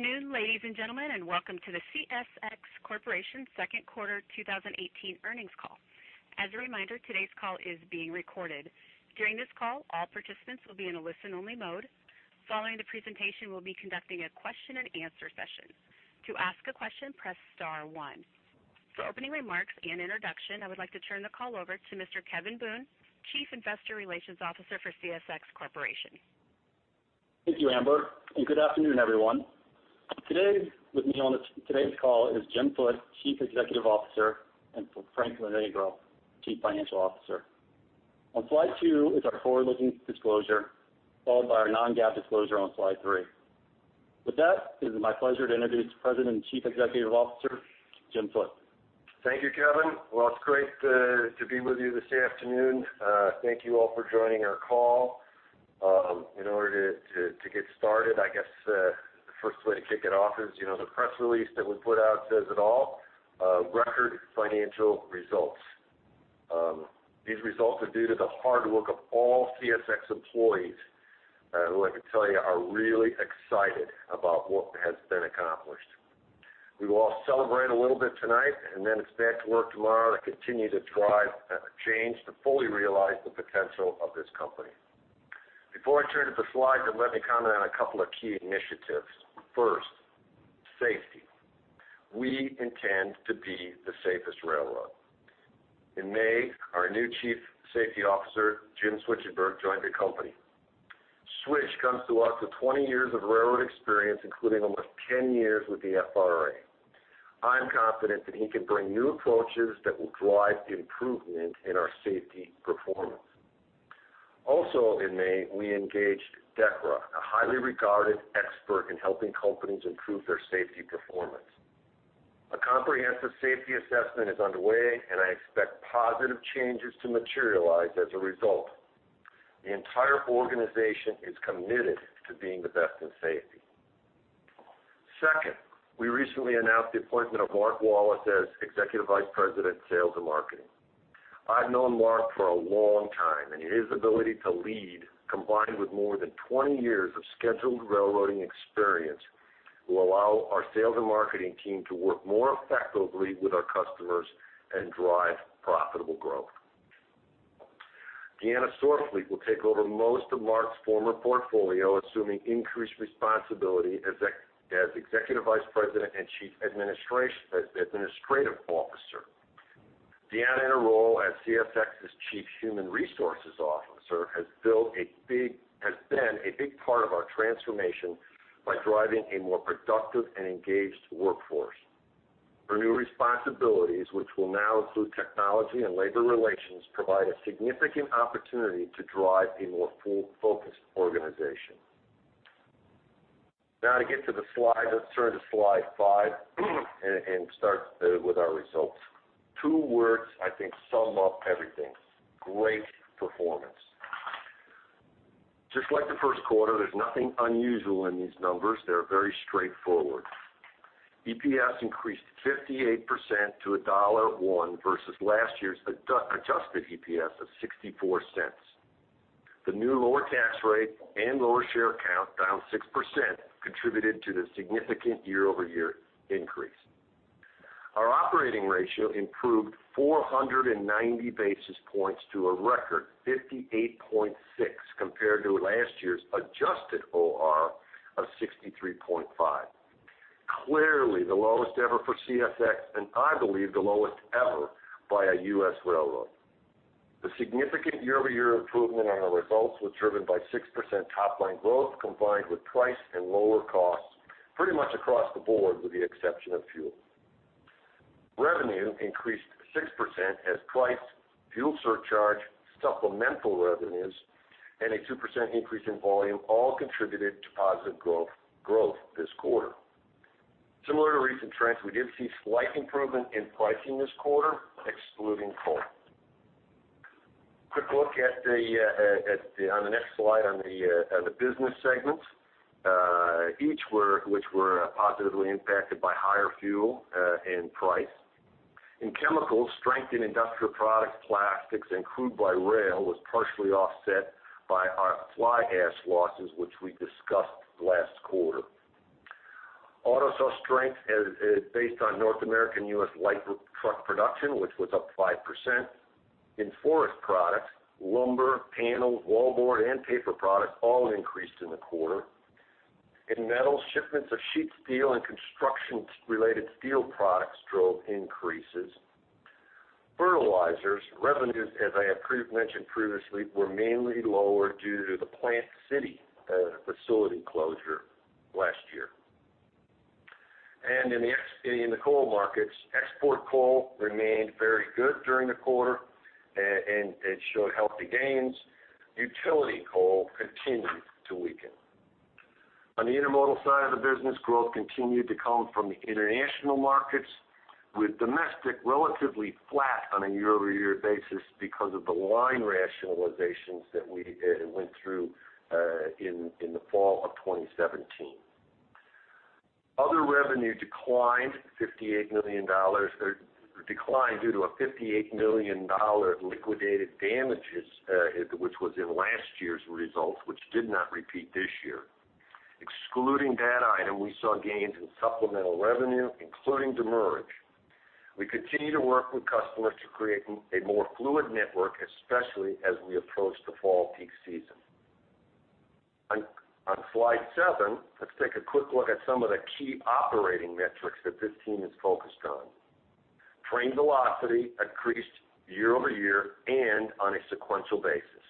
Good afternoon, ladies and gentlemen, and welcome to the CSX Corporation second quarter 2018 earnings call. As a reminder, today's call is being recorded. During this call, all participants will be in a listen-only mode. Following the presentation, we'll be conducting a question and answer session. To ask a question, press *1. For opening remarks and introduction, I would like to turn the call over to Mr. Kevin Boone, Chief Investor Relations Officer for CSX Corporation. Thank you, Amber, good afternoon, everyone. Today with me on today's call is Jim Foote, Chief Executive Officer, and Frank Lonegro, Chief Financial Officer. On slide two is our forward-looking disclosure, followed by our non-GAAP disclosure on slide three. With that, it is my pleasure to introduce President and Chief Executive Officer, Jim Foote. Thank you, Kevin. Well, it's great to be with you this afternoon. Thank you all for joining our call. In order to get started, I guess the first way to kick it off is, the press release that we put out says it all, record financial results. These results are due to the hard work of all CSX employees, who I can tell you are really excited about what has been accomplished. We will all celebrate a little bit tonight, then it's back to work tomorrow to continue to drive change to fully realize the potential of this company. Before I turn to the slides, let me comment on a couple of key initiatives. First, safety. We intend to be the safest railroad. In May, our new Chief Safety Officer, Jim Schwichtenberg, joined the company. Schwicht comes to us with 20 years of railroad experience, including almost 10 years with the FRA. I'm confident that he can bring new approaches that will drive improvement in our safety performance. Also in May, we engaged DEKRA, a highly regarded expert in helping companies improve their safety performance. A comprehensive safety assessment is underway, I expect positive changes to materialize as a result. The entire organization is committed to being the best in safety. Second, we recently announced the appointment of Mark Wallace as Executive Vice President of Sales and Marketing. I've known Mark for a long time, his ability to lead, combined with more than 20 years of scheduled railroading experience, will allow our sales and marketing team to work more effectively with our customers and drive profitable growth. Diana Sorfleet will take over most of Mark's former portfolio, assuming increased responsibility as Executive Vice President and Chief Administrative Officer. Diana, in her role as CSX's Chief Human Resources Officer, has been a big part of our transformation by driving a more productive and engaged workforce. Her new responsibilities, which will now include technology and labor relations, provide a significant opportunity to drive a more full-focused organization. To get to the slides, let's turn to slide five and start with our results. Two words I think sum up everything, great performance. Just like the first quarter, there's nothing unusual in these numbers. They're very straightforward. EPS increased 58% to $1.01 versus last year's adjusted EPS of $0.64. The new lower tax rate and lower share count, down 6%, contributed to the significant year-over-year increase. Our operating ratio improved 490 basis points to a record 58.6, compared to last year's adjusted OR of 63.5. Clearly the lowest ever for CSX, and I believe the lowest ever by a U.S. railroad. The significant year-over-year improvement on our results was driven by 6% top-line growth, combined with price and lower costs pretty much across the board, with the exception of fuel. Revenue increased 6% as price, fuel surcharge, supplemental revenues, and a 2% increase in volume all contributed to positive growth this quarter. Similar to recent trends, we did see slight improvement in pricing this quarter, excluding coal. Quick look on the next slide on the business segments, each which were positively impacted by higher fuel and price. In chemicals, strength in industrial products, plastics, and crude by rail was partially offset by our fly ash losses, which we discussed last quarter. Auto saw strength based on North American U.S. light truck production, which was up 5%. In forest products, lumber, panels, wallboard, and paper products all increased in the quarter. In metals, shipments of sheet steel and construction-related steel products drove increases. Fertilizers revenues, as I have mentioned previously, were mainly lower due to the Plant City facility closure last year. In the coal markets, export coal remained very good during the quarter and it showed healthy gains. Utility coal continued to weaken. On the intermodal side of the business, growth continued to come from the international markets with domestic relatively flat on a year-over-year basis because of the line rationalizations that we did and went through in the fall of 2017. Other revenue declined $58 million due to a $58 million liquidated damages, which was in last year's results, which did not repeat this year. Excluding that item, we saw gains in supplemental revenue, including demurrage. We continue to work with customers to create a more fluid network, especially as we approach the fall peak season. On slide seven, let's take a quick look at some of the key operating metrics that this team is focused on. Train velocity increased year-over-year and on a sequential basis.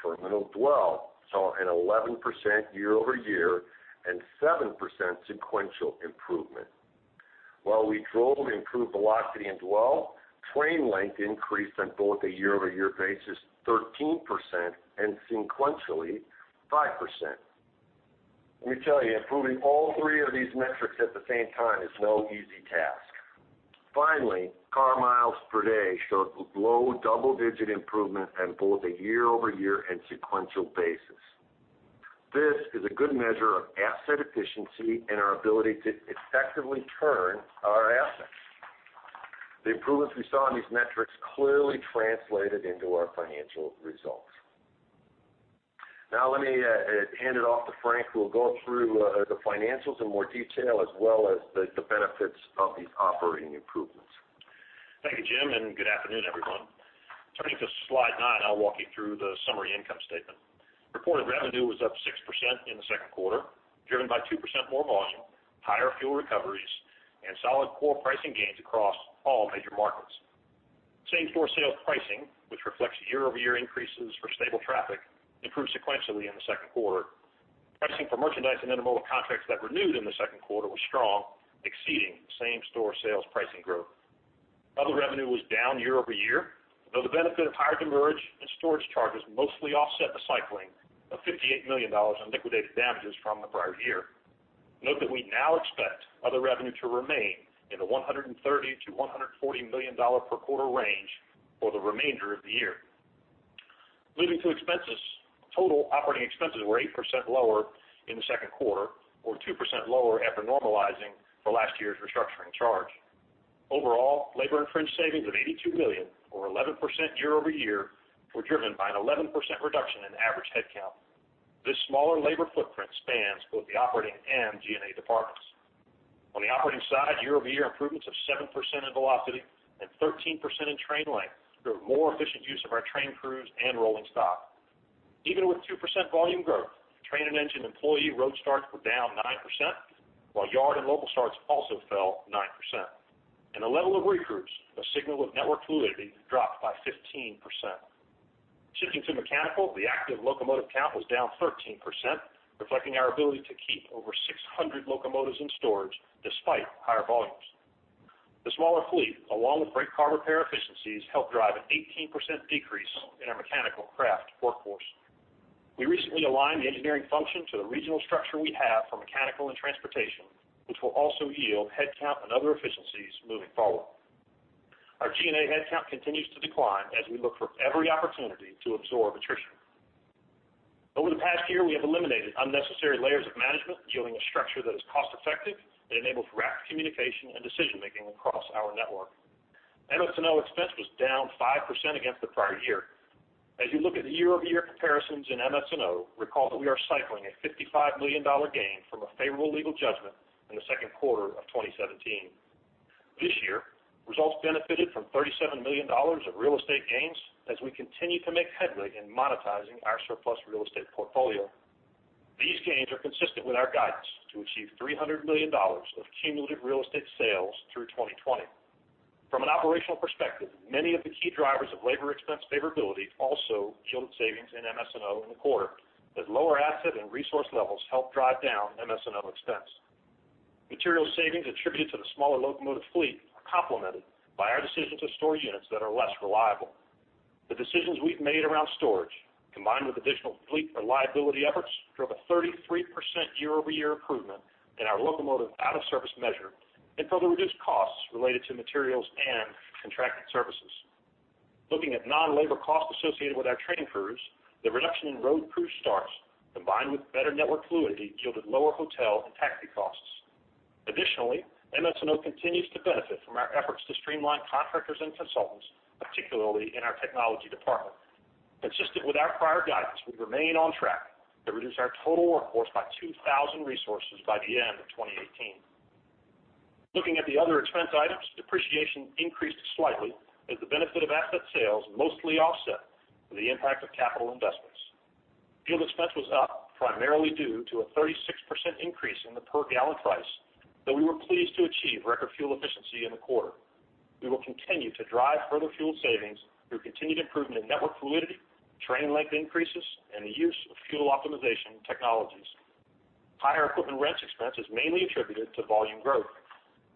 Terminal dwell saw an 11% year-over-year and 7% sequential improvement. While we drove improved velocity and dwell, train length increased on both a year-over-year basis, 13%, and sequentially 5%. Let me tell you, improving all three of these metrics at the same time is no easy task. Finally, car miles per day showed low double-digit improvement on both a year-over-year and sequential basis. This is a good measure of asset efficiency and our ability to effectively turn our assets. The improvements we saw in these metrics clearly translated into our financial results. Let me hand it off to Frank, who will go through the financials in more detail as well as the benefits of these operating improvements. Thank you, Jim. Good afternoon, everyone. Turning to slide nine, I'll walk you through the summary income statement. Reported revenue was up 6% in the second quarter, driven by 2% more volume, higher fuel recoveries, and solid core pricing gains across all major markets. Same-store sales pricing, which reflects year-over-year increases for stable traffic, improved sequentially in the second quarter. Pricing for merchandise and intermodal contracts that renewed in the second quarter was strong, exceeding same-store sales pricing growth. Other revenue was down year-over-year, though the benefit of higher demurrage and storage charges mostly offset the cycling of $58 million in liquidated damages from the prior year. Note that we now expect other revenue to remain in the $130 million-$140 million per quarter range for the remainder of the year. Moving to expenses, total operating expenses were 8% lower in the second quarter or 2% lower after normalizing for last year's restructuring charge. Overall, labor and fringe savings of $82 million or 11% year-over-year were driven by an 11% reduction in average headcount. This smaller labor footprint spans both the operating and G&A departments. On the operating side, year-over-year improvements of 7% in velocity and 13% in train length drove more efficient use of our train crews and rolling stock. Even with 2% volume growth, train and engine employee road starts were down 9%, while yard and local starts also fell 9%. The level of regroups, a signal of network fluidity, dropped by 15%. Shifting to mechanical, the active locomotive count was down 13%, reflecting our ability to keep over 600 locomotives in storage despite higher volumes. The smaller fleet, along with freight car repair efficiencies, helped drive an 18% decrease in our mechanical craft workforce. We recently aligned the engineering function to the regional structure we have for mechanical and transportation, which will also yield headcount and other efficiencies moving forward. Our G&A headcount continues to decline as we look for every opportunity to absorb attrition. Over the past year, we have eliminated unnecessary layers of management, yielding a structure that is cost-effective and enables rapid communication and decision-making across our network. MS&O expense was down 5% against the prior year. As you look at the year-over-year comparisons in MS&O, recall that we are cycling a $55 million gain from a favorable legal judgment in the second quarter of 2017. This year, results benefited from $37 million of real estate gains as we continue to make headway in monetizing our surplus real estate portfolio. These gains are consistent with our guidance to achieve $300 million of cumulative real estate sales through 2020. From an operational perspective, many of the key drivers of labor expense favorability also yielded savings in MS&O in the quarter, as lower asset and resource levels helped drive down MS&O expense. Material savings attributed to the smaller locomotive fleet are complemented by our decision to store units that are less reliable. The decisions we've made around storage, combined with additional fleet reliability efforts, drove a 33% year-over-year improvement in our locomotive out of service measure and further reduced costs related to materials and contracted services. Looking at non-labor costs associated with our training crews, the reduction in road crew starts, combined with better network fluidity, yielded lower hotel and taxi costs. Additionally, MS&O continues to benefit from our efforts to streamline contractors and consultants, particularly in our technology department. Consistent with our prior guidance, we remain on track to reduce our total workforce by 2,000 resources by the end of 2018. Looking at the other expense items, depreciation increased slightly as the benefit of asset sales mostly offset the impact of capital investments. Fuel expense was up primarily due to a 36% increase in the per gallon price, though we were pleased to achieve record fuel efficiency in the quarter. We will continue to drive further fuel savings through continued improvement in network fluidity, train length increases, and the use of fuel optimization technologies. Higher equipment rents expense is mainly attributed to volume growth.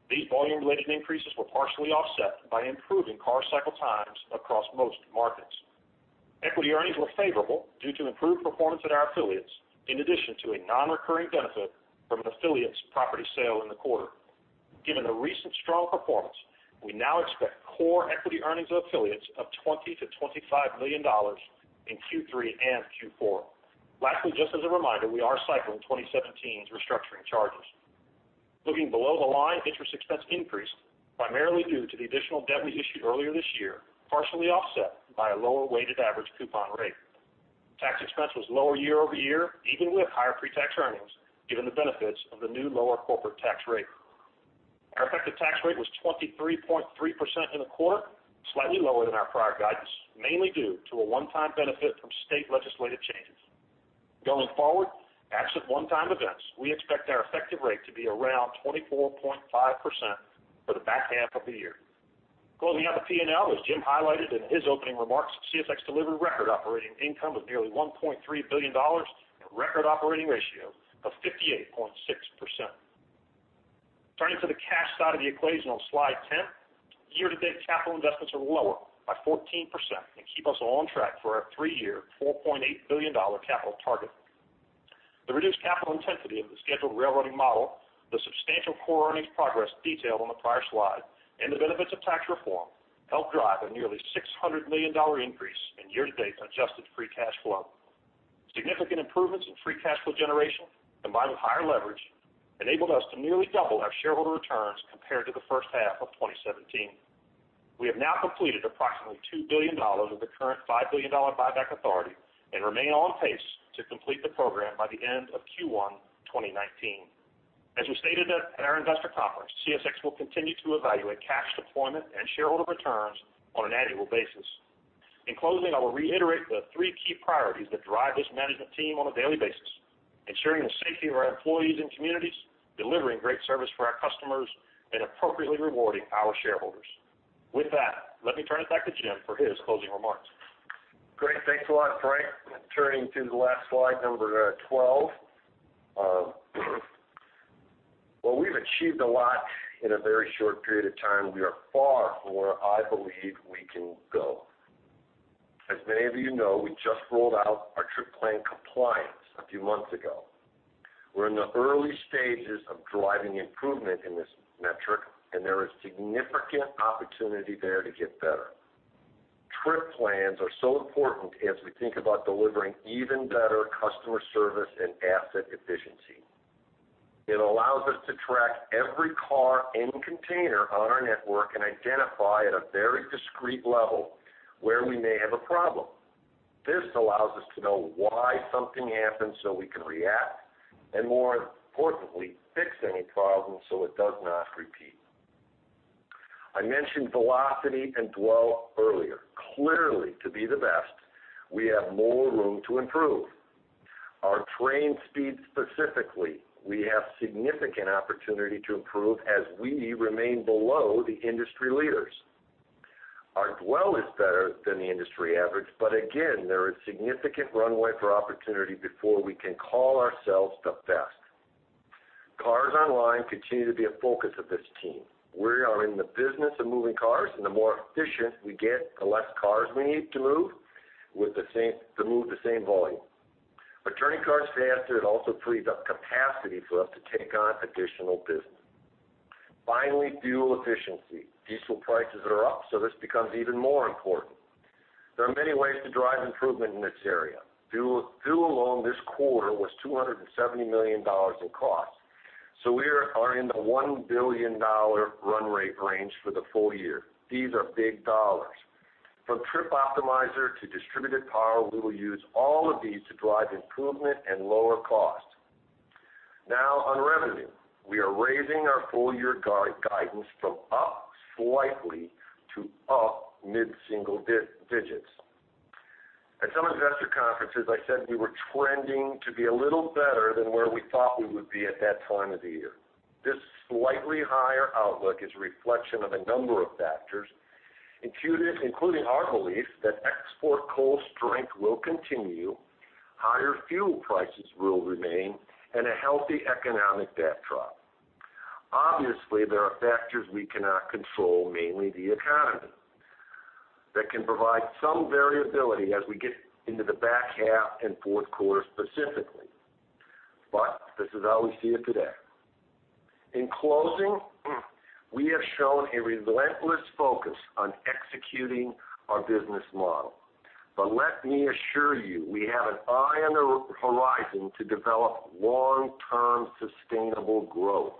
These volume-related increases were partially offset by improving car cycle times across most markets. Equity earnings were favorable due to improved performance at our affiliates, in addition to a non-recurring benefit from an affiliate's property sale in the quarter. Given the recent strong performance, we now expect core equity earnings of affiliates of $20 million to $25 million in Q3 and Q4. Lastly, just as a reminder, we are cycling 2017's restructuring charges. Looking below the line, interest expense increased primarily due to the additional debt we issued earlier this year, partially offset by a lower weighted average coupon rate. Tax expense was lower year-over-year, even with higher pre-tax earnings, given the benefits of the new lower corporate tax rate. Our effective tax rate was 23.3% in the quarter, slightly lower than our prior guidance, mainly due to a one-time benefit from state legislative changes. Going forward, absent one-time events, we expect our effective rate to be around 24.5% for the back half of the year. Closing out the P&L, as Jim highlighted in his opening remarks, CSX delivered record operating income of nearly $1.3 billion and record operating ratio of 58.6%. Turning to the cash side of the equation on slide 10, year-to-date capital investments are lower by 14% and keep us on track for our three-year $4.8 billion capital target. The reduced capital intensity of the scheduled railroading model, the substantial core earnings progress detailed on the prior slide, and the benefits of tax reform helped drive a nearly $600 million increase in year-to-date adjusted free cash flow. Significant improvements in free cash flow generation, combined with higher leverage, enabled us to nearly double our shareholder returns compared to the first half of 2017. We have now completed approximately $2 billion of the current $5 billion buyback authority and remain on pace to complete the program by the end of Q1 2019. As we stated at our investor conference, CSX will continue to evaluate cash deployment and shareholder returns on an annual basis. In closing, I will reiterate the three key priorities that drive this management team on a daily basis, ensuring the safety of our employees and communities, delivering great service for our customers, and appropriately rewarding our shareholders. With that, let me turn it back to Jim for his closing remarks. Great. Thanks a lot, Frank. Turning to the last slide number 12. While we've achieved a lot in a very short period of time, we are far from where I believe we can go. As many of you know, we just rolled out our Trip Plan Compliance a few months ago. We're in the early stages of driving improvement in this metric, there is significant opportunity there to get better. Trip plans are so important as we think about delivering even better customer service and asset efficiency. It allows us to track every car and container on our network and identify at a very discrete level where we may have a problem. This allows us to know why something happened so we can react, and more importantly, fix any problem so it does not repeat. I mentioned velocity and dwell earlier. Clearly, to be the best, we have more room to improve. Our train speed specifically, we have significant opportunity to improve as we remain below the industry leaders. Our dwell is better than the industry average, but again, there is significant runway for opportunity before we can call ourselves the best. Cars online continue to be a focus of this team. We are in the business of moving cars, and the more efficient we get, the less cars we need to move the same volume. Turning cars faster, it also frees up capacity for us to take on additional business. Finally, fuel efficiency. Diesel prices are up, this becomes even more important. There are many ways to drive improvement in this area. Fuel alone this quarter was $270 million in cost. We are in the $1 billion run rate range for the full year. These are big dollars. From Trip Optimizer to distributed power, we will use all of these to drive improvement and lower cost. On revenue, we are raising our full-year guidance from up slightly to up mid-single digits. At some investor conferences, I said we were trending to be a little better than where we thought we would be at that time of the year. This slightly higher outlook is a reflection of a number of factors, including our belief that export coal strength will continue, higher fuel prices will remain, and a healthy economic backdrop. Obviously, there are factors we cannot control, mainly the economy, that can provide some variability as we get into the back half and fourth quarter specifically. This is how we see it today. In closing, we have shown a relentless focus on executing our business model. Let me assure you, we have an eye on the horizon to develop long-term sustainable growth.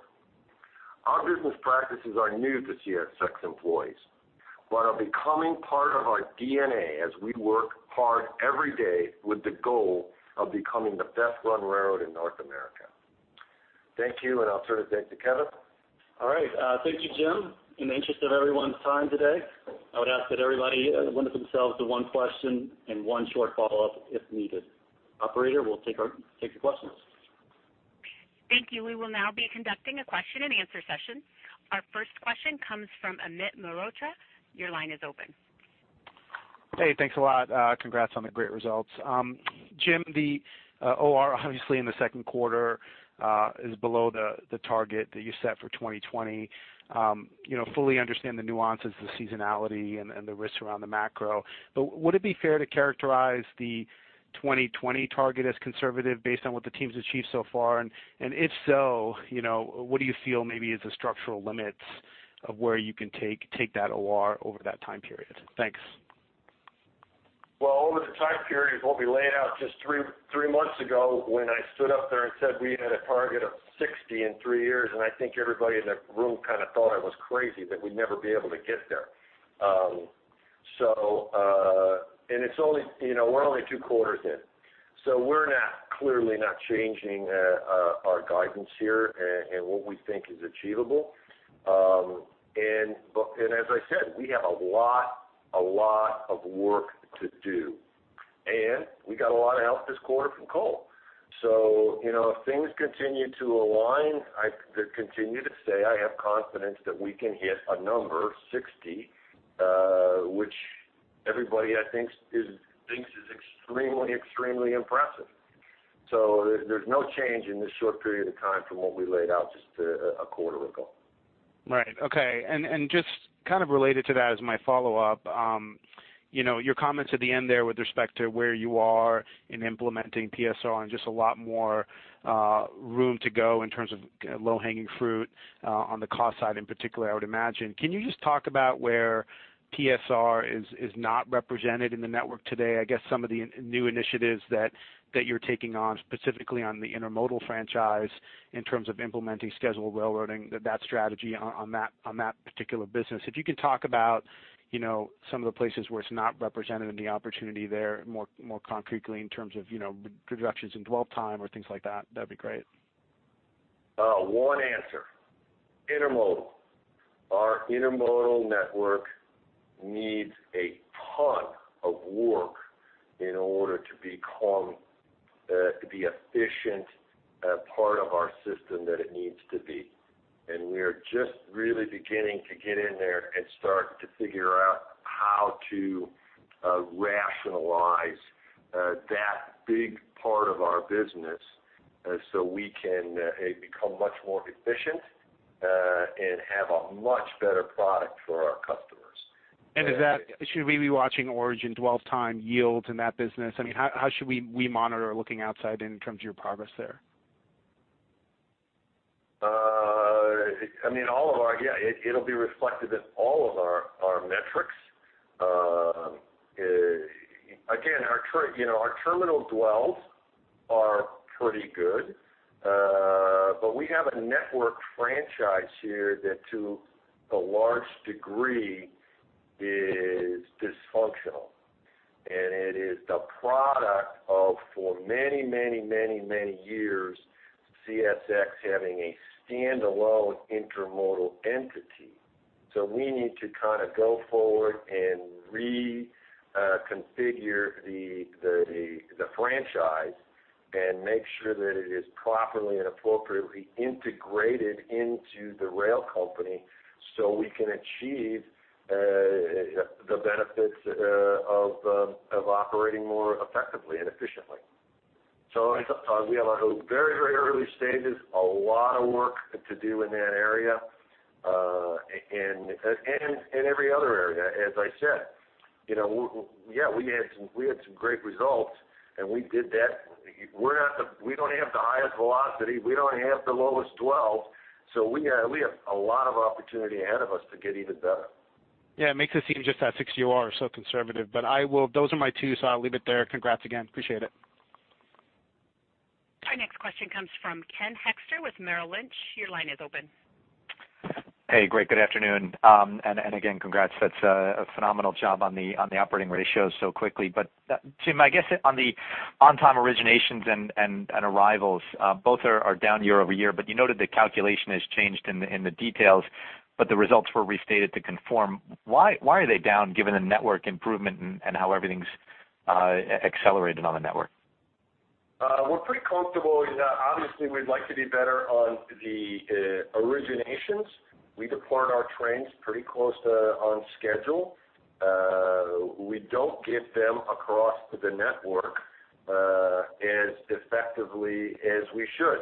Our business practices are new to CSX employees, but are becoming part of our DNA as we work hard every day with the goal of becoming the best run railroad in North America. Thank you, and I'll turn it back to Kevin. All right. Thank you, Jim. In the interest of everyone's time today, I would ask that everybody limit themselves to one question and one short follow-up if needed. Operator, we'll take the questions. Thank you. We will now be conducting a question and answer session. Our first question comes from Amit Mehrotra. Your line is open. Hey, thanks a lot. Congrats on the great results. Jim, the OR obviously in the second quarter is below the target that you set for 2020. Fully understand the nuances, the seasonality, and the risks around the macro. Would it be fair to characterize the 2020 target as conservative based on what the team's achieved so far? If so, what do you feel maybe is the structural limits of where you can take that OR over that time period. Thanks. Over the time period of what we laid out just three months ago when I stood up there and said we had a target of 60 in three years, and I think everybody in the room thought I was crazy, that we'd never be able to get there. We're only two quarters in. We're clearly not changing our guidance here and what we think is achievable. As I said, we have a lot of work to do, and we got a lot of help this quarter from coal. If things continue to align, I continue to say I have confidence that we can hit a number, 60, which everybody I think is extremely impressive. There's no change in this short period of time from what we laid out just a quarter ago. Right. Okay. Just related to that as my follow-up, your comments at the end there with respect to where you are in implementing PSR and just a lot more room to go in terms of low-hanging fruit, on the cost side in particular, I would imagine. Can you just talk about where PSR is not represented in the network today? I guess some of the new initiatives that you're taking on, specifically on the intermodal franchise in terms of implementing scheduled railroading, that strategy on that particular business. If you could talk about some of the places where it's not represented and the opportunity there more concretely in terms of reductions in dwell time or things like that'd be great. One answer, intermodal. Our intermodal network needs a ton of work in order to become the efficient part of our system that it needs to be. We are just really beginning to get in there and start to figure out how to rationalize that big part of our business so we can, A, become much more efficient, and have a much better product for our customers. Should we be watching origin dwell time yields in that business? How should we monitor looking outside in terms of your progress there? It'll be reflected in all of our metrics. Again, our terminal dwells are pretty good. We have a network franchise here that to a large degree is dysfunctional. It is the product of, for many years, CSX having a standalone intermodal entity. We need to go forward and reconfigure the franchise and make sure that it is properly and appropriately integrated into the rail company so we can achieve the benefits of operating more effectively and efficiently. We are at our very early stages, a lot of work to do in that area, and every other area, as I said. We had some great results, and we did that. We don't have the highest velocity, we don't have the lowest dwell, so we have a lot of opportunity ahead of us to get even better. Yeah, it makes it seem just that 60 OR is so conservative, but those are my two, so I'll leave it there. Congrats again. Appreciate it. Our next question comes from Ken Hoexter with Merrill Lynch. Your line is open. Hey, great. Good afternoon, and again, congrats. That's a phenomenal job on the operating ratios so quickly. Jim, I guess on the on-time originations and arrivals, both are down year-over-year, but you noted the calculation has changed in the details, but the results were restated to conform. Why are they down given the network improvement and how everything's accelerated on the network? We're pretty comfortable. Obviously, we'd like to be better on the originations. We depart our trains pretty close to on schedule. We don't get them across the network as effectively as we should.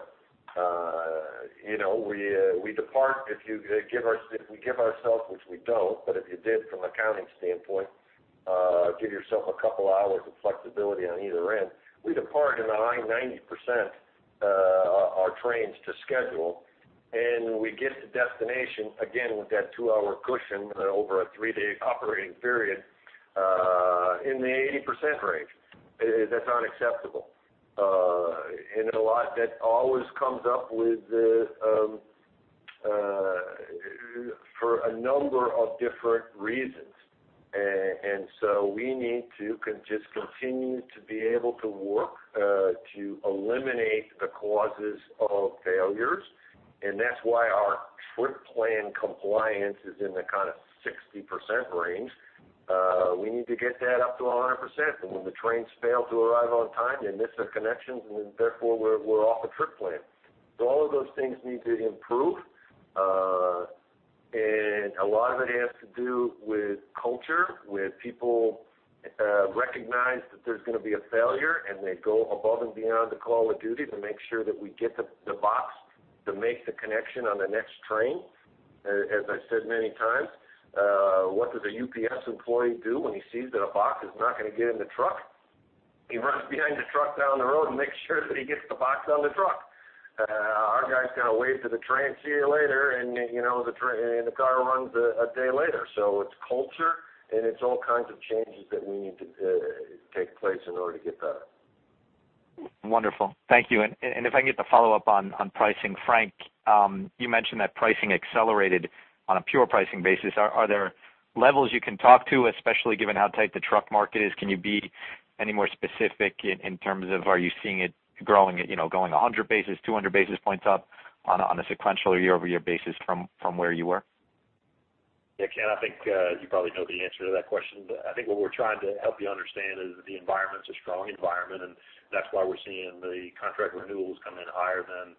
If we give ourselves, which we don't, but if you did from accounting standpoint, give yourself a couple hours of flexibility on either end. We depart 90% our trains to schedule, and we get to destination, again, with that two-hour cushion over a three-day operating period, in the 80% range. That's unacceptable. A lot that always comes up for a number of different reasons. We need to just continue to be able to work to eliminate the causes of failures, and that's why our Trip Plan Compliance is in the 60% range. We need to get that up to 100%. When the trains fail to arrive on time, they miss their connections, and therefore we're off the trip plan. All of those things need to improve. A lot of it has to do with culture, with people recognize that there's going to be a failure, and they go above and beyond the call of duty to make sure that we get the box to make the connection on the next train. As I said many times, what does a UPS employee do when he sees that a box is not going to get in the truck? He runs behind the truck down the road and makes sure that he gets the box on the truck. Our guys kind of wave to the train, "See you later," and the car runs a day later. It's culture, and it's all kinds of changes that we need to take place in order to get better. Wonderful. Thank you. If I can get the follow-up on pricing. Frank, you mentioned that pricing accelerated on a pure pricing basis. Are there levels you can talk to, especially given how tight the truck market is? Can you be any more specific in terms of, are you seeing it growing, going 100 basis, 200 basis points up on a sequential year-over-year basis from where you were? Yeah, Ken, I think, you probably know the answer to that question, I think what we're trying to help you understand is the environment's a strong environment, that's why we're seeing the contract renewals come in higher than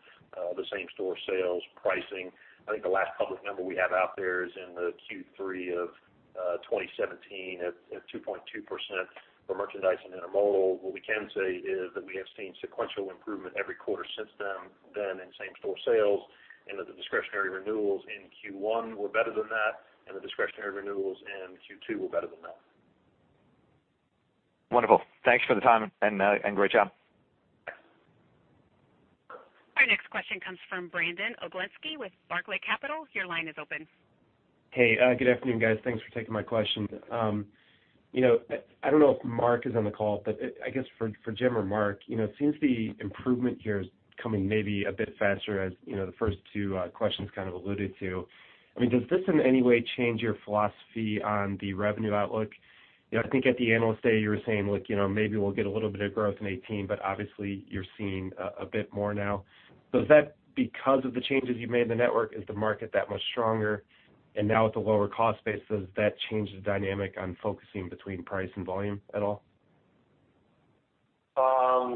the same-store sales pricing. I think the last public number we have out there is in the Q3 of 2017 at 2.2% for merchandise and intermodal. What we can say is that we have seen sequential improvement every quarter since then in same-store sales, that the discretionary renewals in Q1 were better than that, the discretionary renewals in Q2 were better than that. Wonderful. Thanks for the time and great job. Our next question comes from Brandon Oglenski with Barclays Capital. Your line is open. Hey, good afternoon, guys. Thanks for taking my question. I don't know if Mark is on the call, I guess for Jim or Mark, it seems the improvement here is coming maybe a bit faster as the first two questions kind of alluded to. Does this in any way change your philosophy on the revenue outlook? I think at the Analyst Day, you were saying, "Look, maybe we'll get a little bit of growth in 2018," obviously you're seeing a bit more now. Is that because of the changes you've made in the network, is the market that much stronger? Now with the lower cost base, does that change the dynamic on focusing between price and volume at all? As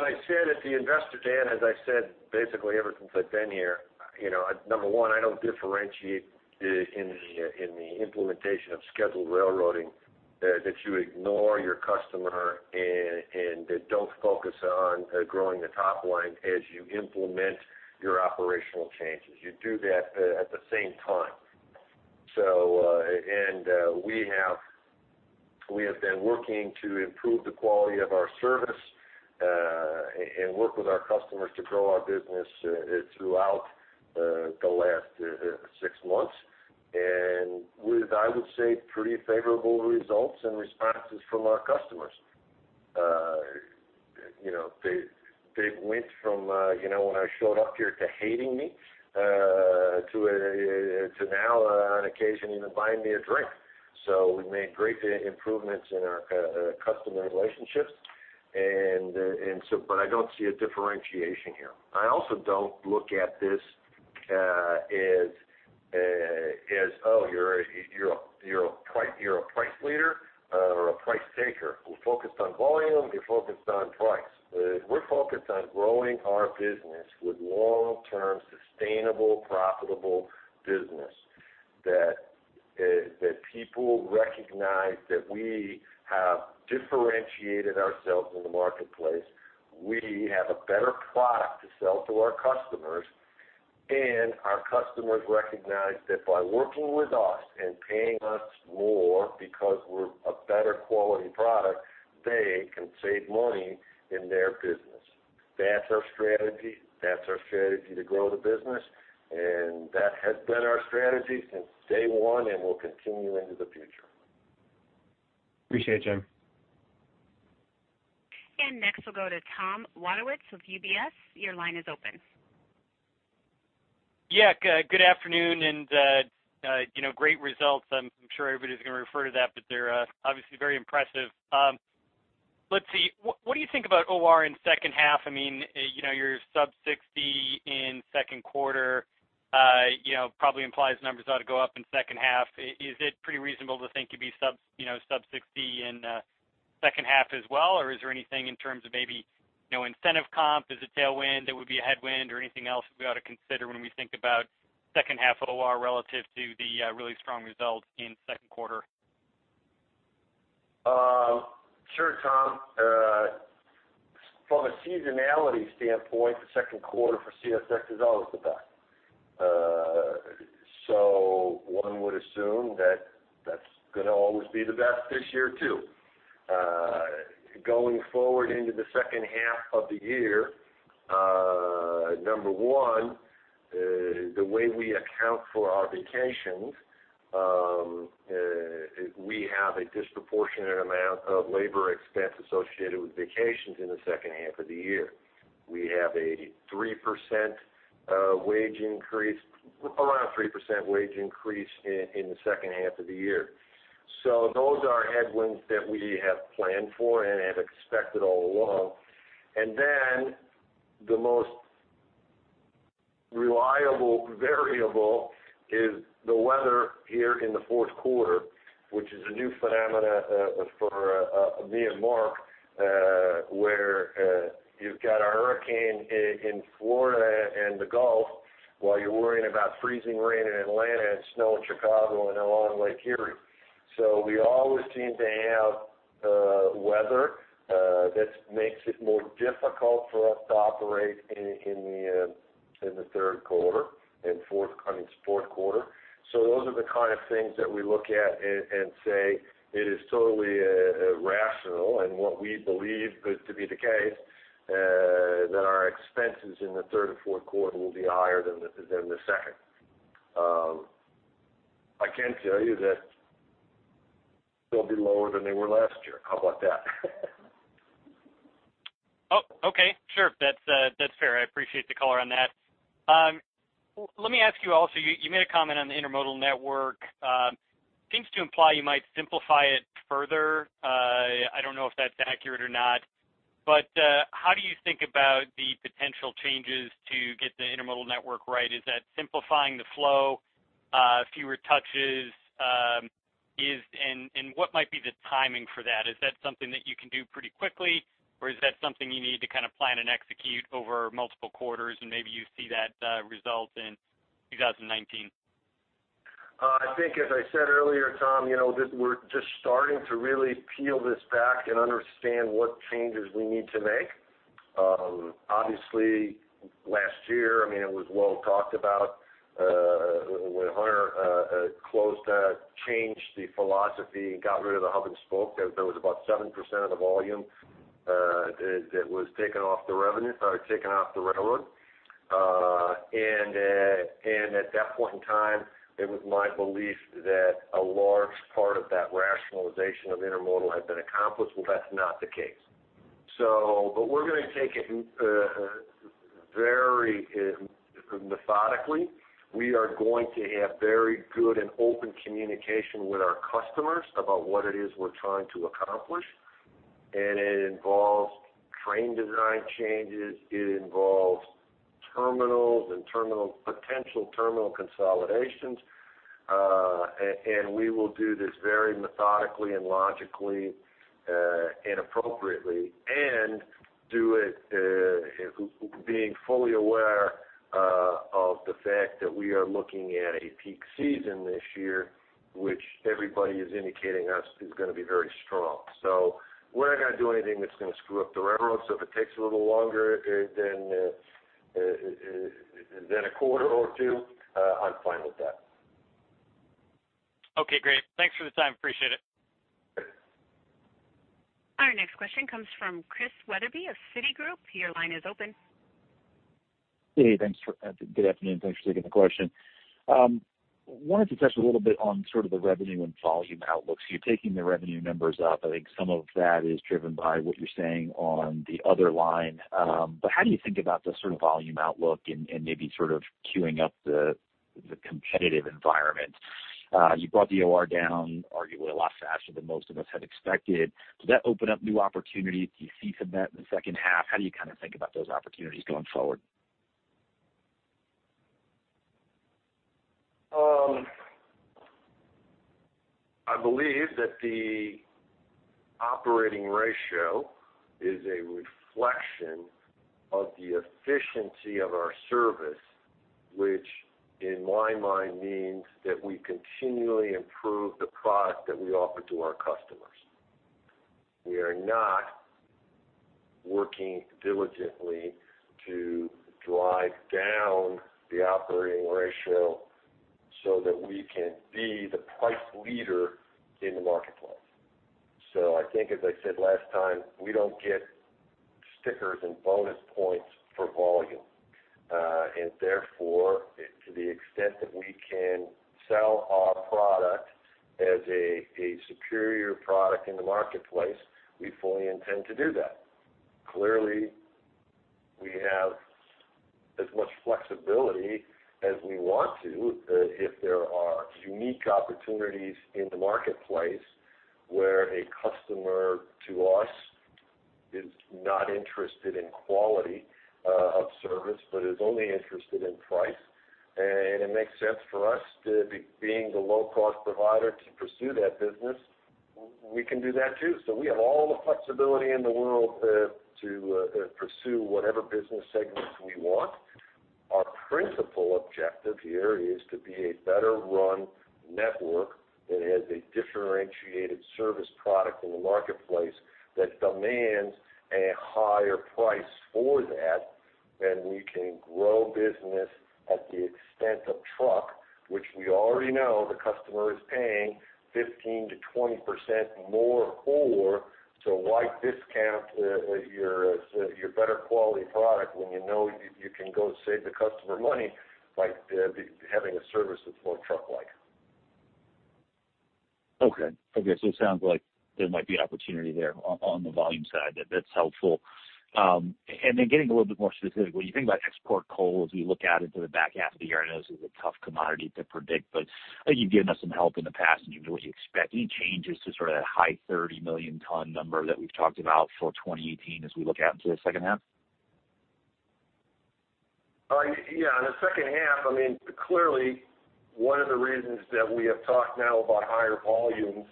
I said at the Investor Day, as I said, basically ever since I've been here, number one, I don't differentiate in the implementation of scheduled railroading that you ignore your customer and don't focus on growing the top line as you implement your operational changes. You do that at the same time. We have been working to improve the quality of our service, work with our customers to grow our business throughout the last six months. With, I would say, pretty favorable results and responses from our customers. They went from when I showed up here to hating me, to now, on occasion, even buying me a drink. We've made great improvements in our customer relationships. I don't see a differentiation here. I also don't look at this as, oh, you're a price leader or a price taker. We're focused on volume, you're focused on price. We're focused on growing our business with long-term, sustainable, profitable business that people recognize that we have differentiated ourselves in the marketplace. We have a better product to sell to our customers, our customers recognize that by working with us and paying us more because we're a better quality product, they can save money in their business. That's our strategy. That's our strategy to grow the business, that has been our strategy since day one and will continue into the future. Appreciate it, Jim. Next we'll go to Tom Wadewitz with UBS. Your line is open. Good afternoon and great results. I'm sure everybody's going to refer to that, but they're obviously very impressive. Let's see. What do you think about OR in second half? You're sub 60 in second quarter, probably implies numbers ought to go up in second half. Is it pretty reasonable to think you'd be sub 60 in second half as well? Is there anything in terms of maybe incentive comp? Is it tailwind that would be a headwind or anything else that we ought to consider when we think about second half OR relative to the really strong results in second quarter? Sure, Tom. From a seasonality standpoint, the second quarter for CSX is always the best. One would assume that that's going to always be the best this year, too. Going forward into the second half of the year, number one, the way we account for our vacations, we have a disproportionate amount of labor expense associated with vacations in the second half of the year. We have a 3% wage increase, around 3% wage increase in the second half of the year. Those are headwinds that we have planned for and have expected all along. Then the most reliable variable is the weather here in the fourth quarter, which is a new phenomena for me and Mark, where you've got a hurricane in Florida and the Gulf, while you're worrying about freezing rain in Atlanta and snow in Chicago and along Lake Erie. We always seem to have weather that makes it more difficult for us to operate in the third quarter and fourth quarter. Those are the kind of things that we look at and say it is totally rational and what we believe to be the case, that our expenses in the third and fourth quarter will be higher than the second. I can tell you that they'll be lower than they were last year. How about that? Okay, sure. That's fair. I appreciate the color on that. Let me ask you also, you made a comment on the intermodal network, seems to imply you might simplify it further. I don't know if that's accurate or not, but how do you think about the potential changes to get the intermodal network right? Is that simplifying the flow, fewer touches, and what might be the timing for that? Is that something that you can do pretty quickly, or is that something you need to plan and execute over multiple quarters, and maybe you see that result in 2019? I think, as I said earlier, Tom, that we're just starting to really peel this back and understand what changes we need to make. Obviously, last year, it was well talked about, when Hunter closed that, changed the philosophy and got rid of the hub and spoke, that was about 7% of the volume that was taken off the railroad. At that point in time, it was my belief that a large part of that rationalization of intermodal had been accomplished. Well, that's not the case. We're going to take it very methodically. We are going to have very good and open communication with our customers about what it is we're trying to accomplish. It involves train design changes, it involves terminals and potential terminal consolidations. We will do this very methodically and logically and appropriately and do it being fully aware of the fact that we are looking at a peak season this year, which everybody is indicating to us is going to be very strong. We're not going to do anything that's going to screw up the railroads. If it takes a little longer than a quarter or two, I'm fine with that. Okay, great. Thanks for the time. Appreciate it. Our next question comes from Christian Wetherbee of Citigroup. Your line is open. Hey, thanks. Good afternoon. Thanks for taking the question. Wanted to touch a little bit on sort of the revenue and volume outlooks. You are taking the revenue numbers up. I think some of that is driven by what you are saying on the other line. How do you think about the sort of volume outlook and maybe sort of queuing up the competitive environment? You brought the OR down, arguably a lot faster than most of us had expected. Does that open up new opportunities? Do you see some of that in the second half? How do you think about those opportunities going forward? I believe that the operating ratio is a reflection of the efficiency of our service, which in my mind means that we continually improve the product that we offer to our customers. We are not working diligently to drive down the operating ratio so that we can be the price leader in the marketplace. I think, as I said last time, we do not get stickers and bonus points for volume. Therefore, to the extent that we can sell our product as a superior product in the marketplace, we fully intend to do that. Clearly, we have as much flexibility as we want to, if there are unique opportunities in the marketplace where a customer to us is not interested in quality of service, but is only interested in price, and it makes sense for us, being the low-cost provider, to pursue that business, we can do that, too. We have all the flexibility in the world to pursue whatever business segments we want. Our principal objective here is to be a better-run network that has a differentiated service product in the marketplace that demands a higher price for that. We can grow business at the expense of truck, which we already know the customer is paying 15%-20% more for. Why discount your better quality product when you know you can go save the customer money by having a service that is more truck-like. Okay. It sounds like there might be opportunity there on the volume side. That is helpful. Getting a little bit more specific, when you think about export coal, as we look out into the back half of the year, I know this is a tough commodity to predict, but you have given us some help in the past, and what you expect, any changes to sort of that high 30 million ton number that we have talked about for 2018 as we look out into the second half? In the second half, clearly one of the reasons that we have talked now about higher volumes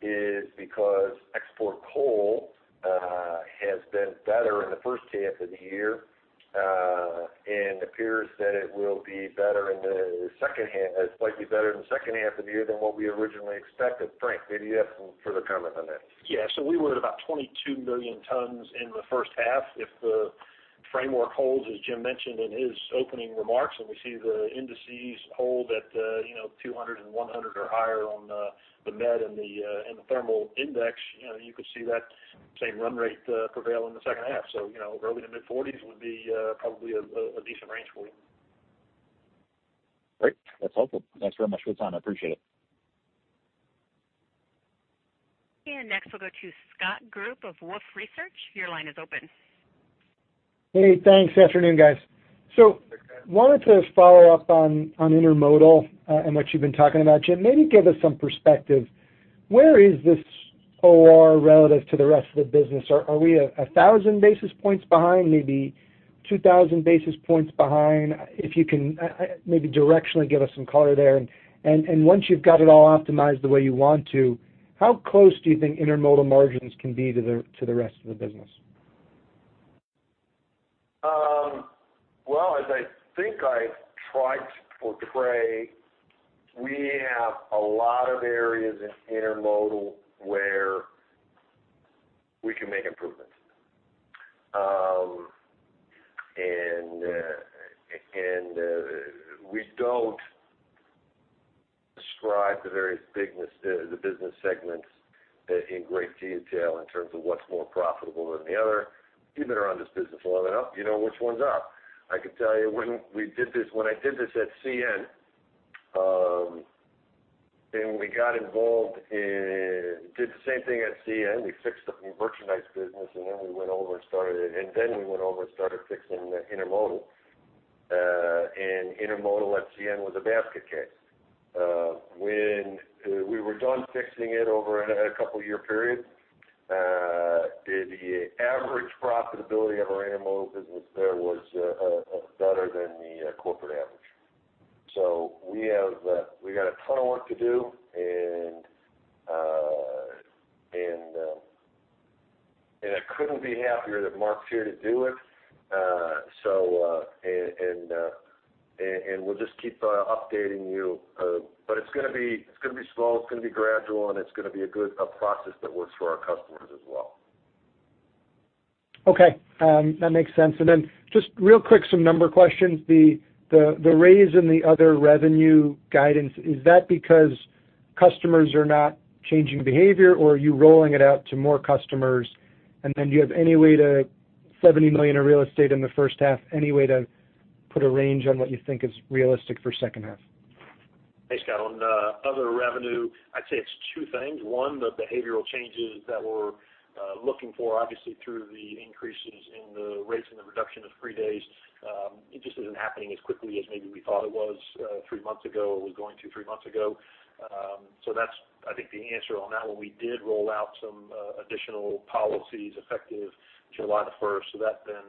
is because export coal has been better in the first half of the year, and appears that it will be slightly better in the second half of the year than what we originally expected. Frank, maybe you have some further comment on that. We were at about 22 million tons in the first half. If the framework holds, as Jim mentioned in his opening remarks, and we see the indices hold at 200 and 100 or higher on the met and the thermal index. You could see that same run rate prevail in the second half. Early to mid-40s would be probably a decent range for you. Great. That's helpful. Thanks very much for your time. I appreciate it. Next, we'll go to Scott Group of Wolfe Research. Your line is open. Hey, thanks. Afternoon, guys. Wanted to follow up on intermodal, and what you've been talking about, Jim. Maybe give us some perspective. Where is this OR relative to the rest of the business? Are we 1,000 basis points behind, maybe 2,000 basis points behind? If you can maybe directionally give us some color there. Once you've got it all optimized the way you want to, how close do you think intermodal margins can be to the rest of the business? Well, as I think I've tried to portray, we have a lot of areas in intermodal where we can make improvements. We don't describe the various business segments in great detail in terms of what's more profitable than the other. You've been around this business long enough. You know which one's up. I could tell you when I did this at CN, we did the same thing at CN. We fixed the merchandise business, then we went over and started fixing the intermodal. Intermodal at CN was a basket case. When we were done fixing it over a couple of year periods, the average profitability of our intermodal business there was better than the corporate average. We got a ton of work to do, and I couldn't be happier that Mark's here to do it. We'll just keep updating you. It's going to be slow, it's going to be gradual, and it's going to be a good process that works for our customers as well. Okay. That makes sense. Just real quick, some number questions. The raise in the other revenue guidance, is that because customers are not changing behavior, or are you rolling it out to more customers? Do you have any way to, $70 million in real estate in the first half, any way to put a range on what you think is realistic for second half? Hey, Scott. On other revenue, I'd say it's two things. One, the behavioral changes that we're looking for, obviously, through the increases in the rates and the reduction of free days, it just isn't happening as quickly as maybe we thought it was going to three months ago. That's, I think, the answer on that one. We did roll out some additional policies effective July the 1st. That then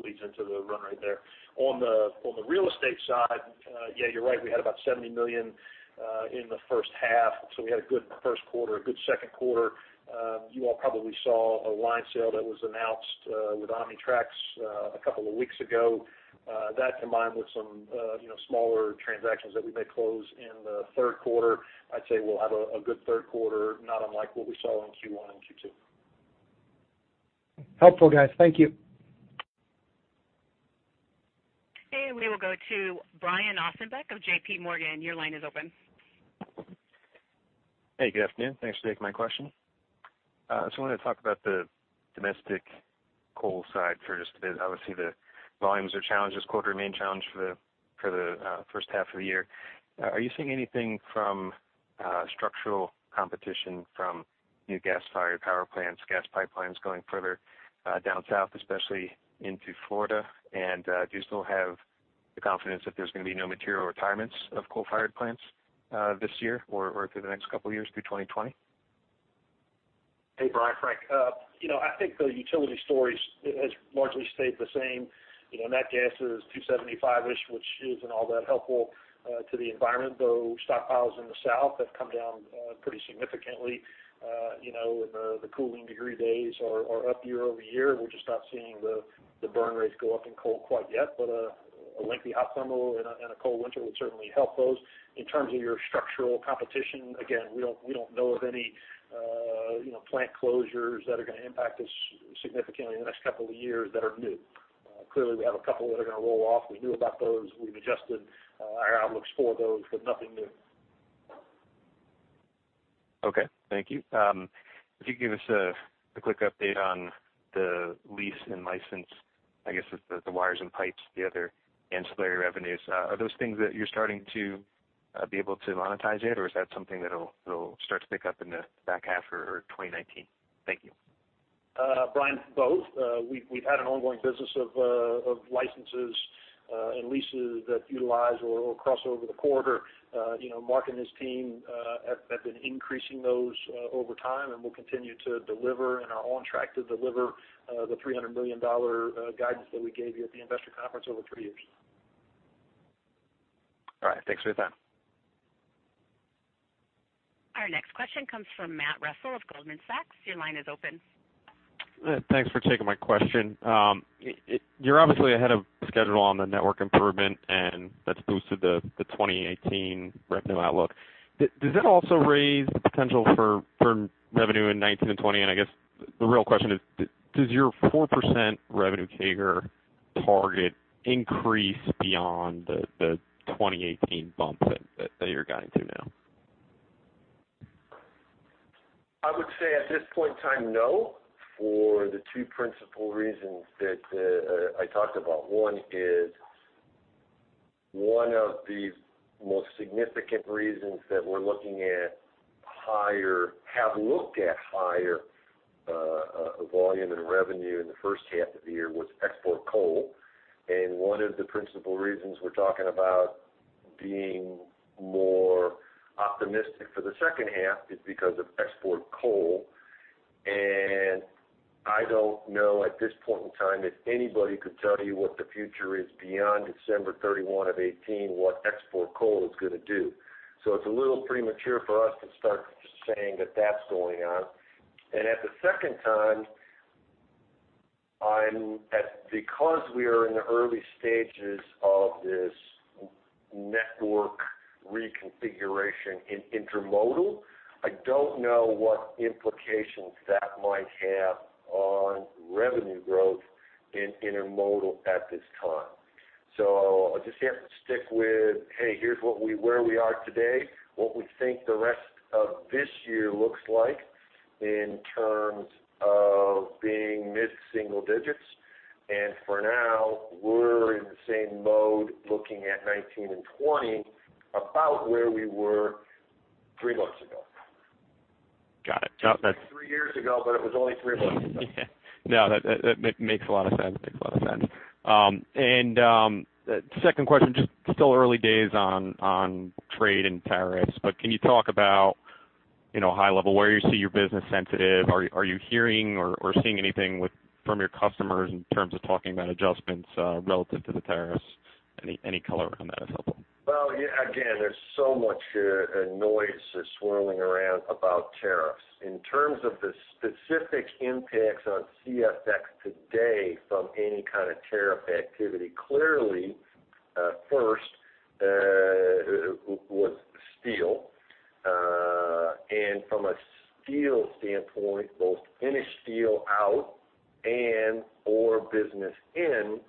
bleeds into the run right there. On the real estate side, yeah, you're right. We had about $70 million in the first half. We had a good first quarter, a good second quarter. You all probably saw a line sale that was announced with OmniTRAX a couple of weeks ago. That combined with some smaller transactions that we may close in the third quarter, I'd say we'll have a good third quarter, not unlike what we saw in Q1 and Q2. Helpful, guys. Thank you. We will go to Brian Ossenbeck of J.P. Morgan. Your line is open. Hey, good afternoon. Thanks for taking my question. Just wanted to talk about the domestic coal side for just a bit. Obviously, the volumes are a challenge this quarter, a main challenge for the first half of the year. Are you seeing anything from structural competition from new gas-fired power plants, gas pipelines going further down south, especially into Florida? Do you still have the confidence that there's going to be no material retirements of coal-fired plants this year or through the next couple of years through 2020? Hey, Brian. Frank. I think the utility story has largely stayed the same. Nat gas is 275-ish, which isn't all that helpful to the environment, though stockpiles in the south have come down pretty significantly. The cooling degree days are up year-over-year. We're just not seeing the burn rates go up in coal quite yet, but a lengthy hot summer and a cold winter would certainly help those. In terms of your structural competition, again, we don't know of any plant closures that are going to impact us significantly in the next couple of years that are new. Clearly, we have a couple that are going to roll off. We knew about those. We've adjusted our outlooks for those, but nothing new. Okay. Thank you. If you could give us a quick update on the lease and license, I guess it's the wires and pipes, the other ancillary revenues. Are those things that you're starting to be able to monetize yet, or is that something that'll start to pick up in the back half or 2019? Thank you. Brian, both. We've had an ongoing business of licenses and leases that utilize or cross over the corridor. Mark and his team have been increasing those over time, and we'll continue to deliver and are on track to deliver the $300 million guidance that we gave you at the investor conference over three years. All right. Thanks for your time. Our next question comes from Matthew Russell of Goldman Sachs. Your line is open. Thanks for taking my question. You're obviously ahead of schedule on the network improvement, that's boosted the 2018 revenue outlook. Does that also raise the potential for revenue in 2019 and 2020? I guess the real question is, does your 4% revenue CAGR target increase beyond the 2018 bump that you're guiding to now? I would say at this point in time, no, for the two principal reasons that I talked about. One is, one of the most significant reasons that we have looked at higher volume and revenue in the first half of the year was export coal. One of the principal reasons we're talking about being more optimistic for the second half is because of export coal. I don't know, at this point in time, if anybody could tell you what the future is beyond December 31 of 2018, what export coal is going to do. It's a little premature for us to start saying that that's going on. At the second time, because we are in the early stages of this network reconfiguration in intermodal, I don't know what implications that might have on revenue growth in intermodal at this time. I'll just have to stick with, hey, here's where we are today, what we think the rest of this year looks like in terms of being mid-single digits. For now, we're in the same mode, looking at 2019 and 2020 about where we were three months ago. Got it. It feels like three years ago, but it was only three months ago. That makes a lot of sense. The second question, just still early days on trade and tariffs, but can you talk about high level, where you see your business sensitive? Are you hearing or seeing anything from your customers in terms of talking about adjustments relative to the tariffs? Any color on that is helpful. Well, again, there's so much noise swirling around about tariffs. In terms of the specific impacts on CSX today from any kind of tariff activity. Clearly, first, was steel. From a steel standpoint, both finished steel out and ore business in,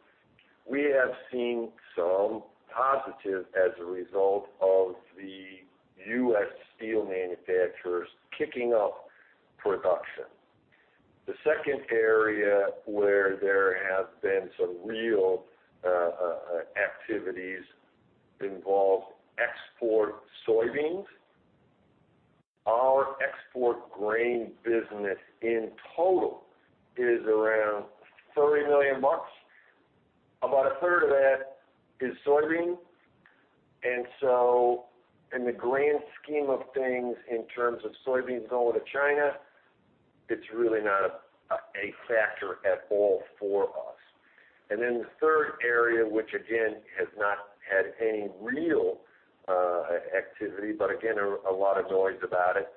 we have seen some positive as a result of the U.S. steel manufacturers kicking up production. The second area where there have been some real activities involve export soybeans. Our export grain business in total is around $30 million. About a third of that is soybean. In the grand scheme of things, in terms of soybeans going to China, it's really not a factor at all for us. The third area, which again, has not had any real activity, but again, a lot of noise about it,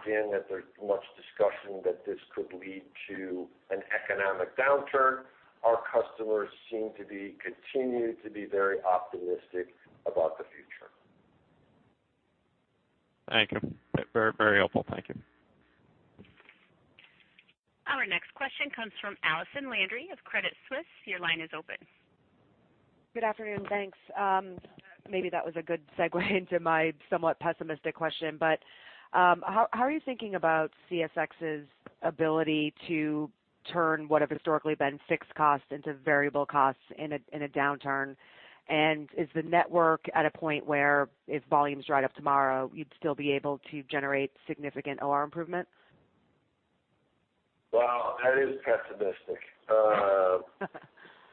is both NAFTA and Europe in terms of tariffs on imported autos. We are not impacted in terms of imported autos from Mexico. We would clearly watch carefully if anything were to be put on imported vehicles from Canada. Nothing has happened there yet. In terms of European imports coming in through the East Coast ports, normally they don't touch rail anyway. Not much of an impact at all right now. Our customers continue, despite the fact, again, that there's much discussion that this could lead to an economic downturn, our customers seem to be continued to be very optimistic about the future. Thank you. Very helpful. Thank you. Our next question comes from Allison Landry of Credit Suisse. Your line is open. Good afternoon. Thanks. Maybe that was a good segue into my somewhat pessimistic question. How are you thinking about CSX's ability to turn what have historically been fixed costs into variable costs in a downturn? Is the network at a point where if volumes dry up tomorrow, you'd still be able to generate significant OR improvements? Well, that is pessimistic.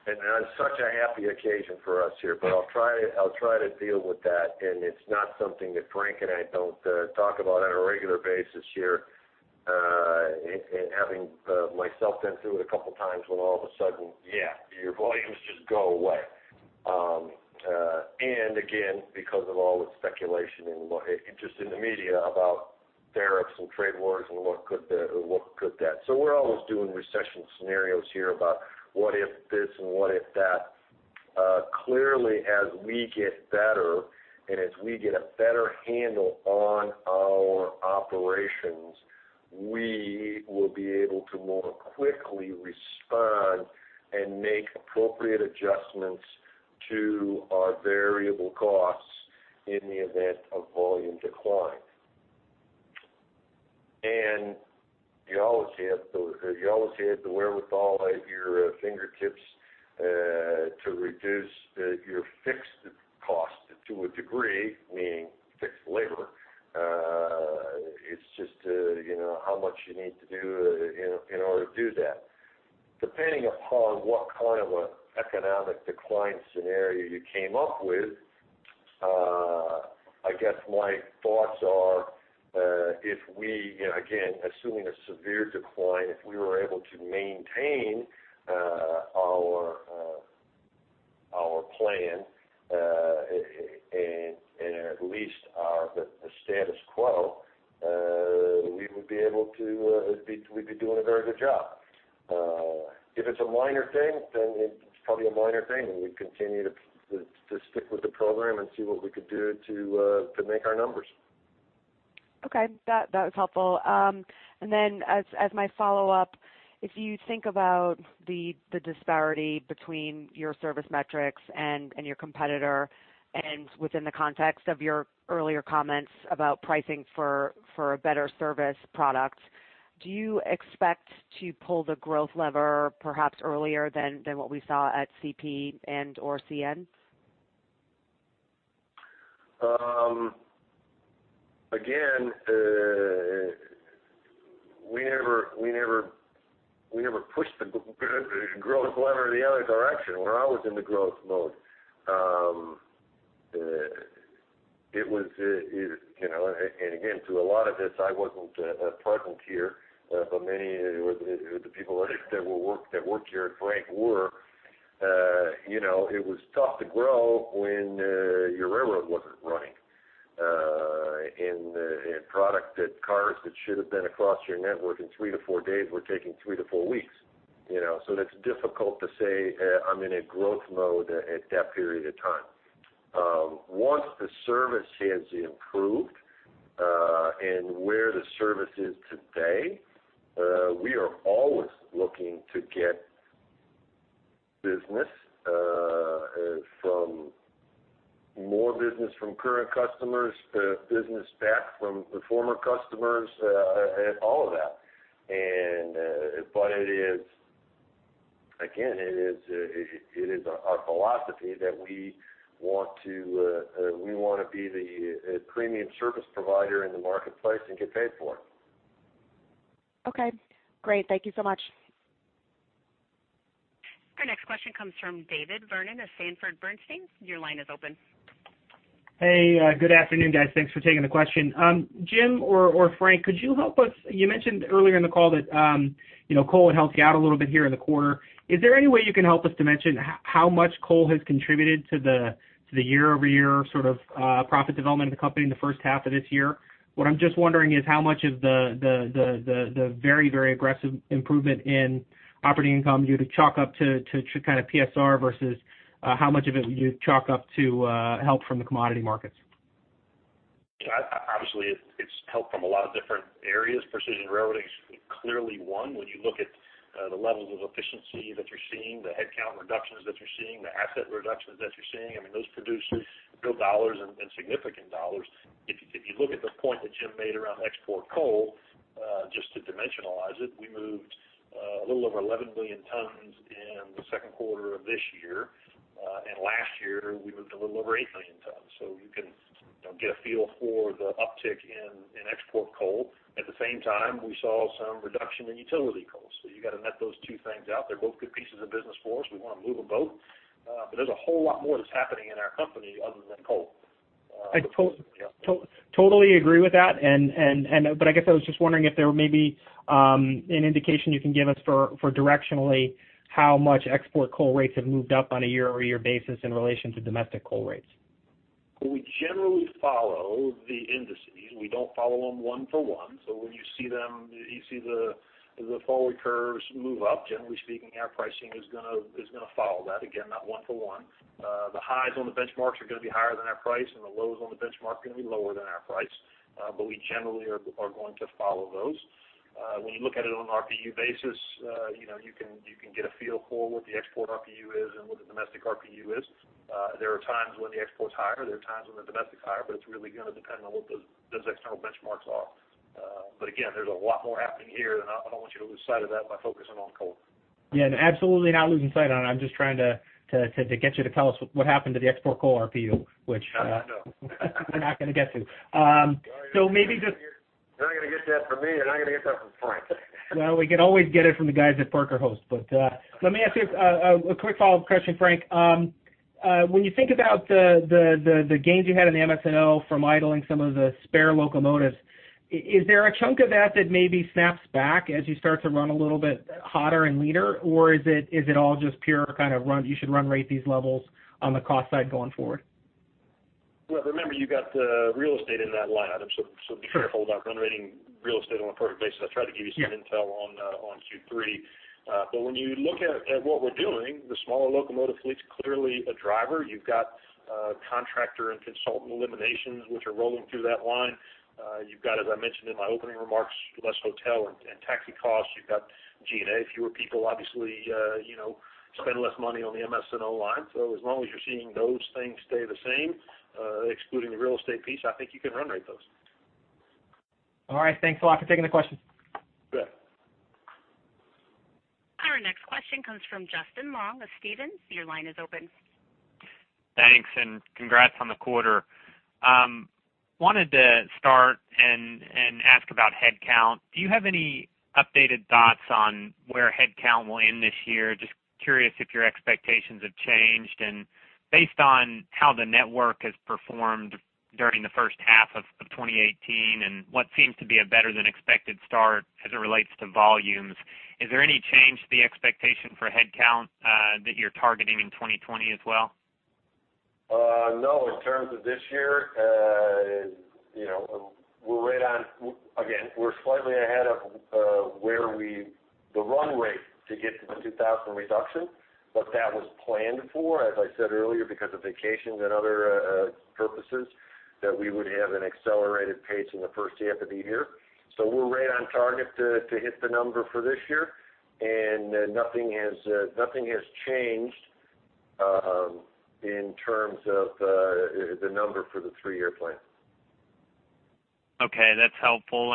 On such a happy occasion for us here, I'll try to deal with that. It's not something that Frank and I don't talk about on a regular basis here, having myself been through it a couple of times when all of a sudden, yeah, your volumes just go away. Again, because of all the speculation and interest in the media about tariffs and trade wars and what could that. We're always doing recession scenarios here about what if this and what if that. Clearly, as we get better and as we get a better handle on our operations, we will be able to more quickly respond and make appropriate adjustments to our variable costs in the event of volume decline. You always had the wherewithal at your fingertips to reduce your fixed cost to a degree, meaning fixed labor. It's just how much you need to do in order to do that. Depending upon what kind of an economic decline scenario you came up with, I guess my thoughts are if we, again, assuming a severe decline, if we were able to maintain our plan, and at least the status quo, we would be doing a very good job. If it's a minor thing, it's probably a minor thing, we'd continue to stick with the program and see what we could do to make our numbers. Okay. That was helpful. As my follow-up, if you think about the disparity between your service metrics and your competitor, within the context of your earlier comments about pricing for a better service product, do you expect to pull the growth lever perhaps earlier than what we saw at CP and/or CN? We never pushed the growth lever the other direction when I was in the growth mode. To a lot of this, I wasn't present here, but many of the people that work here, Frank, were. It was tough to grow when your railroad wasn't running, and product cars that should have been across your network in three to four days were taking three to four weeks. It's difficult to say I'm in a growth mode at that period of time. Once the service has improved, and where the service is today, we are always looking to get more business from current customers, business back from the former customers, all of that. It is our philosophy that we want to be the premium service provider in the marketplace and get paid for it. Okay, great. Thank you so much. Our next question comes from David Vernon of Sanford Bernstein. Your line is open. Hey, good afternoon, guys. Thanks for taking the question. Jim or Frank, could you help us? You mentioned earlier in the call that coal had helped you out a little bit here in the quarter. Is there any way you can help us dimension how much coal has contributed to the year-over-year profit development of the company in the first half of this year? What I'm just wondering is how much of the very aggressive improvement in operating income do you chalk up to PSR, versus how much of it would you chalk up to help from the commodity markets? Obviously, it's help from a lot of different areas. Precision Railroading is clearly one. When you look at the levels of efficiency that you're seeing, the headcount reductions that you're seeing, the asset reductions that you're seeing, those produce real dollars and significant dollars. If you look at the point that Jim made around export coal, just to dimensionalize it, we moved a little over 11 million tons in the second quarter of this year. Last year, we moved a little over eight million tons. You can get a feel for the uptick in export coal. At the same time, we saw some reduction in utility coal, so you got to net those two things out. They're both good pieces of business for us. We want to move them both. There's a whole lot more that's happening in our company other than coal. I totally agree with that, but I guess I was just wondering if there may be an indication you can give us for directionally how much export coal rates have moved up on a year-over-year basis in relation to domestic coal rates. We generally follow the indices. We don't follow them one for one. When you see the forward curves move up, generally speaking, our pricing is going to follow that. Again, not one for one. The highs on the benchmarks are going to be higher than our price, and the lows on the benchmark are going to be lower than our price. We generally are going to follow those. When you look at it on an RPU basis, you can get a feel for what the export RPU is and what the domestic RPU is. There are times when the export is higher, there are times when the domestic is higher, but it's really going to depend on what those external benchmarks are. Again, there's a lot more happening here, and I don't want you to lose sight of that by focusing on coal. Yeah, absolutely not losing sight on it. I'm just trying to get you to tell us what happened to the export coal RPU. No. You're not going to get to. You're not going to get that from me, you're not going to get that from Frank. Well, we can always get it from the guys at Parker Host. Let me ask you a quick follow-up question, Frank. When you think about the gains you had in MS&O from idling some of the spare locomotives, is there a chunk of that that maybe snaps back as you start to run a little bit hotter and leaner, or is it all just pure kind of you should run rate these levels on the cost side going forward? Well, remember, you got real estate in that line item, be careful about run rating real estate on a per basis. I tried to give you some intel on Q3. When you look at what we're doing, the smaller locomotive fleet's clearly a driver. You've got contractor and consultant eliminations, which are rolling through that line. You've got, as I mentioned in my opening remarks, less hotel. costs. You've got G&A. Fewer people obviously spend less money on the MS&O line. As long as you're seeing those things stay the same, excluding the real estate piece, I think you can run rate those. All right. Thanks a lot for taking the question. You bet. Our next question comes from Justin Long of Stephens. Your line is open. Thanks, and congrats on the quarter. Wanted to start and ask about headcount. Do you have any updated thoughts on where headcount will end this year? Just curious if your expectations have changed. Based on how the network has performed during the first half of 2018 and what seems to be a better than expected start as it relates to volumes, is there any change to the expectation for headcount that you're targeting in 2020 as well? No. In terms of this year, we're slightly ahead of the run rate to get to the 2,000 reduction. That was planned for, as I said earlier, because of vacations and other purposes, that we would have an accelerated pace in the first half of the year. We're right on target to hit the number for this year, and nothing has changed in terms of the number for the three-year plan. Okay, that's helpful.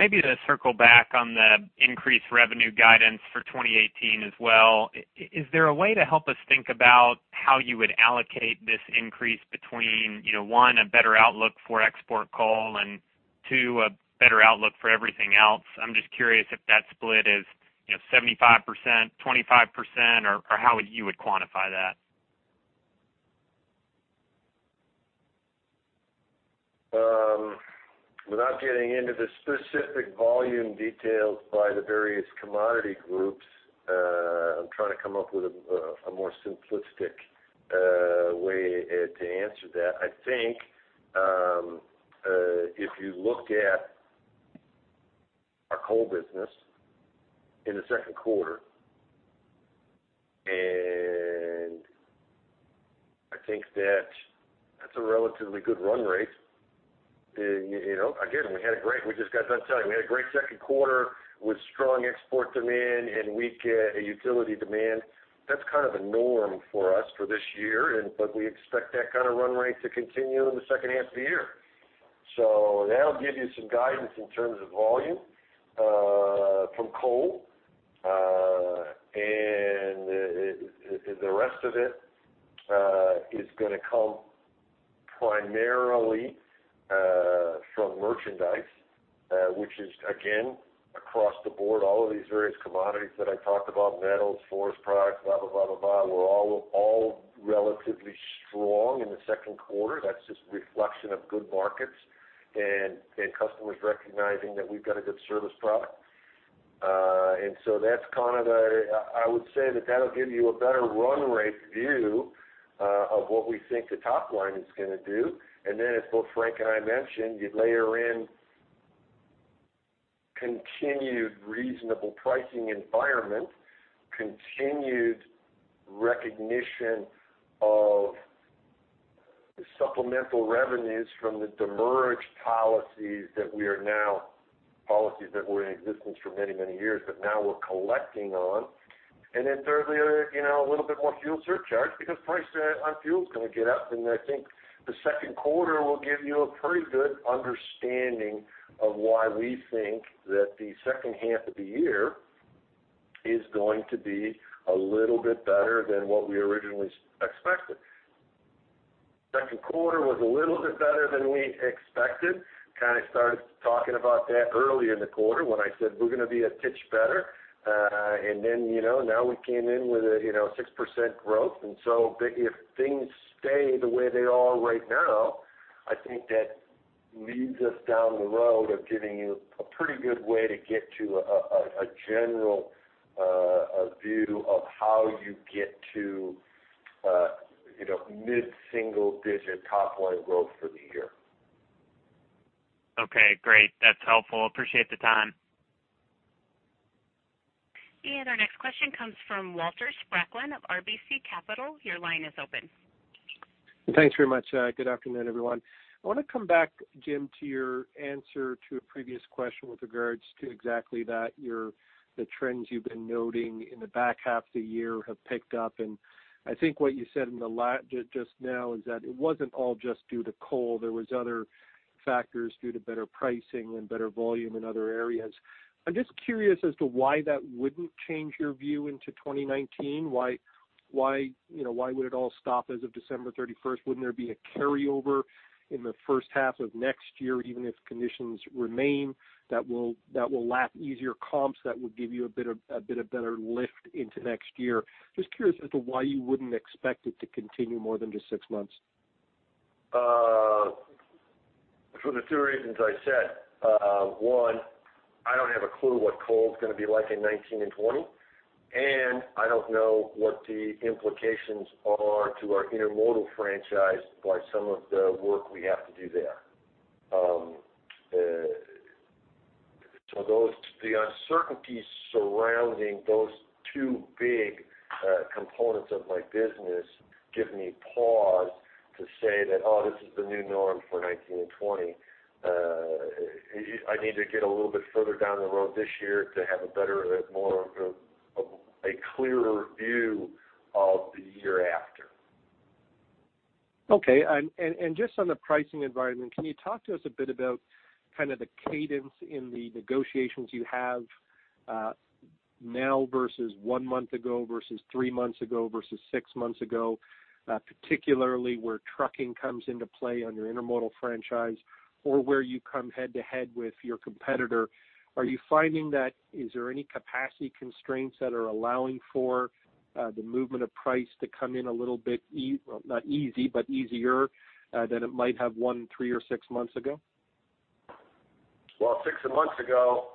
Maybe to circle back on the increased revenue guidance for 2018 as well. Is there a way to help us think about how you would allocate this increase between, one, a better outlook for export coal and, two, a better outlook for everything else? I'm just curious if that split is 75%, 25%, or how you would quantify that. Without getting into the specific volume details by the various commodity groups, I'm trying to come up with a more simplistic way to answer that. I think, if you look at our coal business in the second quarter, I think that that's a relatively good run rate. Again, we just got done telling you, we had a great second quarter with strong export demand and weak utility demand. That's kind of the norm for us for this year, we expect that kind of run rate to continue in the second half of the year. That'll give you some guidance in terms of volume from coal. The rest of it is going to come primarily from merchandise, which is, again, across the board, all of these various commodities that I talked about, metals, forest products, blah, blah, were all relatively strong in the second quarter. That's just reflection of good markets and customers recognizing that we've got a good service product. I would say that that'll give you a better run rate view of what we think the top line is going to do. Then as both Frank and I mentioned, you layer in continued reasonable pricing environment, continued recognition of the supplemental revenues from the demurrage policies that we are now— Policies that were in existence for many years, but now we're collecting on. Thirdly, a little bit more fuel surcharge because price on fuel is going to get up. I think the second quarter will give you a pretty good understanding of why we think that the second half of the year is going to be a little bit better than what we originally expected. Second quarter was a little bit better than we expected. Kind of started talking about that early in the quarter when I said we're going to be a touch better. Then now we came in with a 6% growth. If things stay the way they are right now, I think that leads us down the road of giving you a pretty good way to get to a general view of how you get to mid-single digit top line growth for the year. Okay, great. That's helpful. Appreciate the time. Our next question comes from Walter Spracklin of RBC Capital. Your line is open. Thanks very much. Good afternoon, everyone. I want to come back, Jim, to your answer to a previous question with regards to exactly that, the trends you've been noting in the back half of the year have picked up. I think what you said just now is that it wasn't all just due to coal. There was other factors due to better pricing and better volume in other areas. I'm just curious as to why that wouldn't change your view into 2019. Why would it all stop as of December 31st? Wouldn't there be a carryover in the first half of next year, even if conditions remain, that will lap easier comps, that would give you a bit of better lift into next year? Just curious as to why you wouldn't expect it to continue more than just six months. For the two reasons I said. One, I don't have a clue what coal is going to be like in 2019 and 2020, and I don't know what the implications are to our intermodal franchise by some of the work we have to do there. The uncertainties surrounding those two big components of my business give me pause To say that this is the new norm for 2019 and 2020, I need to get a little bit further down the road this year to have a clearer view of the year after. Okay. Just on the pricing environment, can you talk to us a bit about the cadence in the negotiations you have now versus one month ago, versus three months ago, versus six months ago, particularly where trucking comes into play on your intermodal franchise or where you come head to head with your competitor. Are you finding that there are any capacity constraints that are allowing for the movement of price to come in a little bit, not easy, but easier, than it might have one, three, or six months ago? Well, six months ago,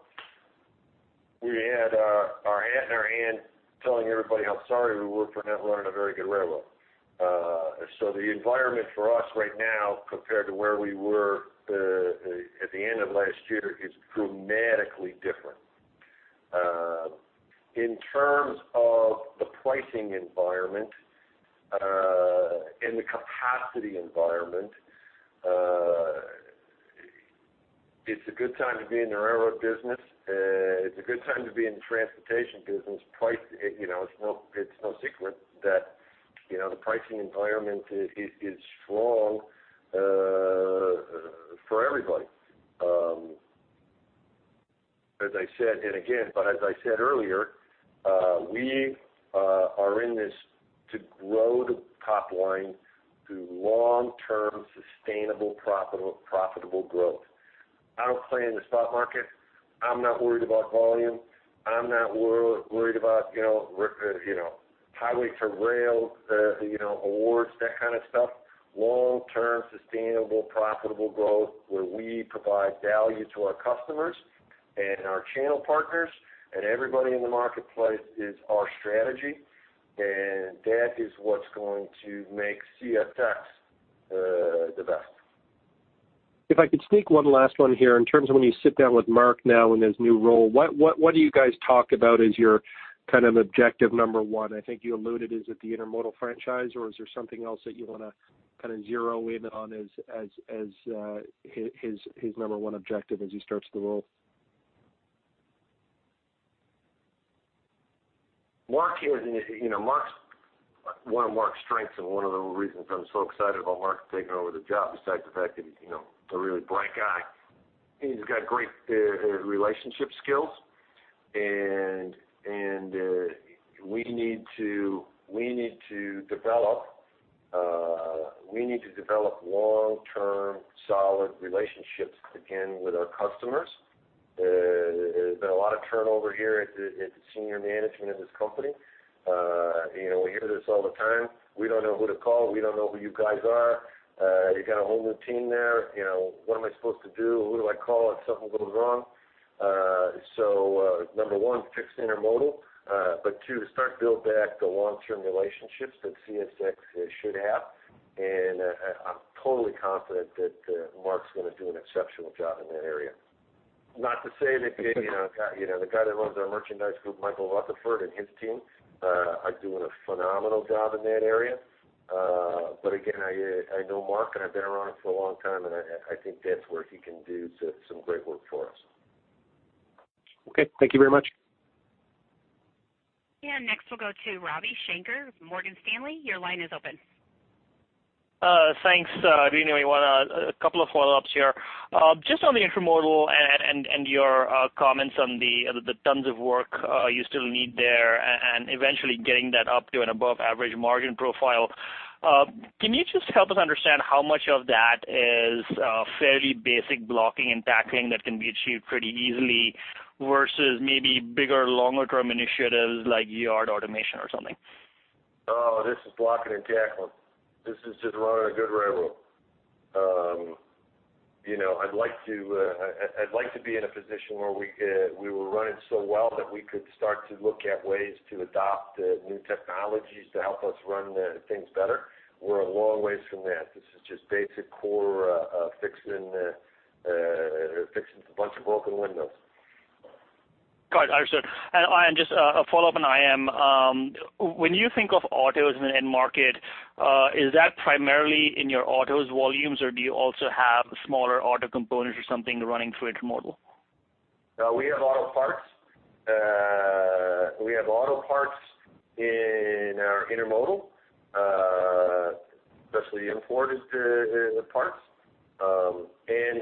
we had our hat in our hand telling everybody how sorry we were for not running a very good railroad. The environment for us right now, compared to where we were at the end of last year, is dramatically different. In terms of the pricing environment and the capacity environment, it's a good time to be in the railroad business. It's a good time to be in the transportation business. It's no secret that the pricing environment is strong for everybody. As I said earlier, we are in this to grow the top line through long-term, sustainable, profitable growth. I don't play in the stock market. I'm not worried about volume. I'm not worried about highway to rail awards, that kind of stuff. Long-term, sustainable, profitable growth where we provide value to our customers and our channel partners and everybody in the marketplace is our strategy, that is what's going to make CSX the best. If I could sneak one last one here. In terms of when you sit down with Mark now in his new role, what do you guys talk about as your objective number one? I think you alluded, is it the intermodal franchise or is there something else that you want to zero in on as his number one objective as he starts the role? One of Mark's strengths and one of the reasons I'm so excited about Mark taking over the job, besides the fact that he's a really bright guy, he's got great relationship skills, we need to develop long-term, solid relationships again with our customers. There's been a lot of turnover here at the senior management of this company. We hear this all the time, "We don't know who to call. We don't know who you guys are. You got a whole new team there, what am I supposed to do? Who do I call if something goes wrong?" Number one, fix the intermodal. Two, start to build back the long-term relationships that CSX should have. I'm totally confident that Mark's going to do an exceptional job in that area. Not to say that the guy that runs our merchandise group, Michael Rutherford, and his team are doing a phenomenal job in that area. Again, I know Mark, and I've been around him for a long time, and I think that's where he can do some great work for us. Okay. Thank you very much. Yeah. Next, we'll go to Ravi Shanker, Morgan Stanley. Your line is open. Thanks, Nina. A couple of follow-ups here. Just on the intermodal and your comments on the tons of work you still need there and eventually getting that up to an above-average margin profile, can you just help us understand how much of that is fairly basic blocking and tackling that can be achieved pretty easily versus maybe bigger, longer-term initiatives like yard automation or something? Oh, this is blocking and tackling. This is just running a good railroad. I'd like to be in a position where we were running so well that we could start to look at ways to adopt new technologies to help us run things better. We're a long ways from that. This is just basic core fixing a bunch of broken windows. Got it. Understood. Just a follow-up on IM. When you think of autos in the end market, is that primarily in your autos volumes, or do you also have smaller auto components or something running through intermodal? We have auto parts in our intermodal, especially imported parts,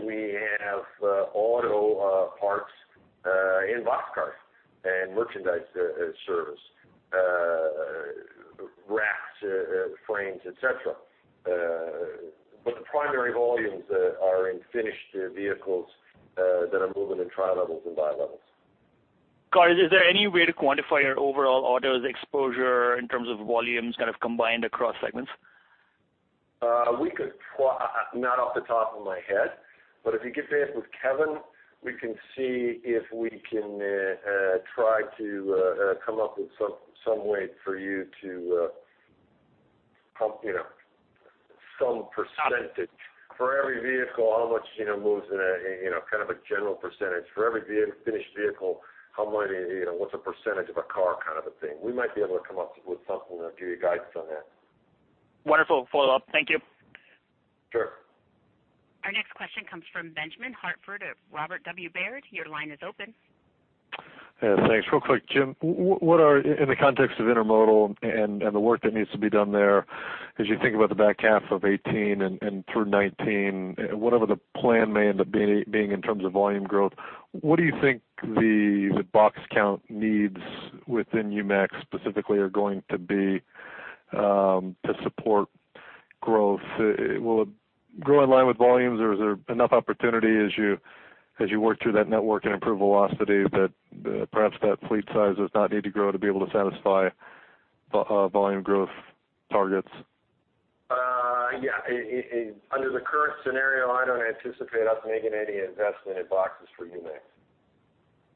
we have auto parts in boxcars and merchandise service, racks, frames, et cetera. The primary volumes are in finished vehicles that are moving in tri-levels and bi-levels. Got it. Is there any way to quantify your overall autos exposure in terms of volumes combined across segments? Not off the top of my head, but if you get me in with Kevin, we can see if we can try to come up with some way for you. Some percentage. For every vehicle, how much moves in a general percentage. For every finished vehicle, what's a percentage of a car kind of a thing. We might be able to come up with something to give you guidance on that. Wonderful follow-up. Thank you. Question comes from Benjamin Hartford of Robert W. Baird. Your line is open. Thanks. Real quick, Jim, in the context of intermodal and the work that needs to be done there, as you think about the back half of 2018 and through 2019, whatever the plan may end up being in terms of volume growth, what do you think the box count needs within UMAX specifically are going to be to support growth? Will it grow in line with volumes, or is there enough opportunity as you work through that network and improve velocity that perhaps that fleet size does not need to grow to be able to satisfy volume growth targets? Under the current scenario, I don't anticipate us making any investment in boxes for UMAX.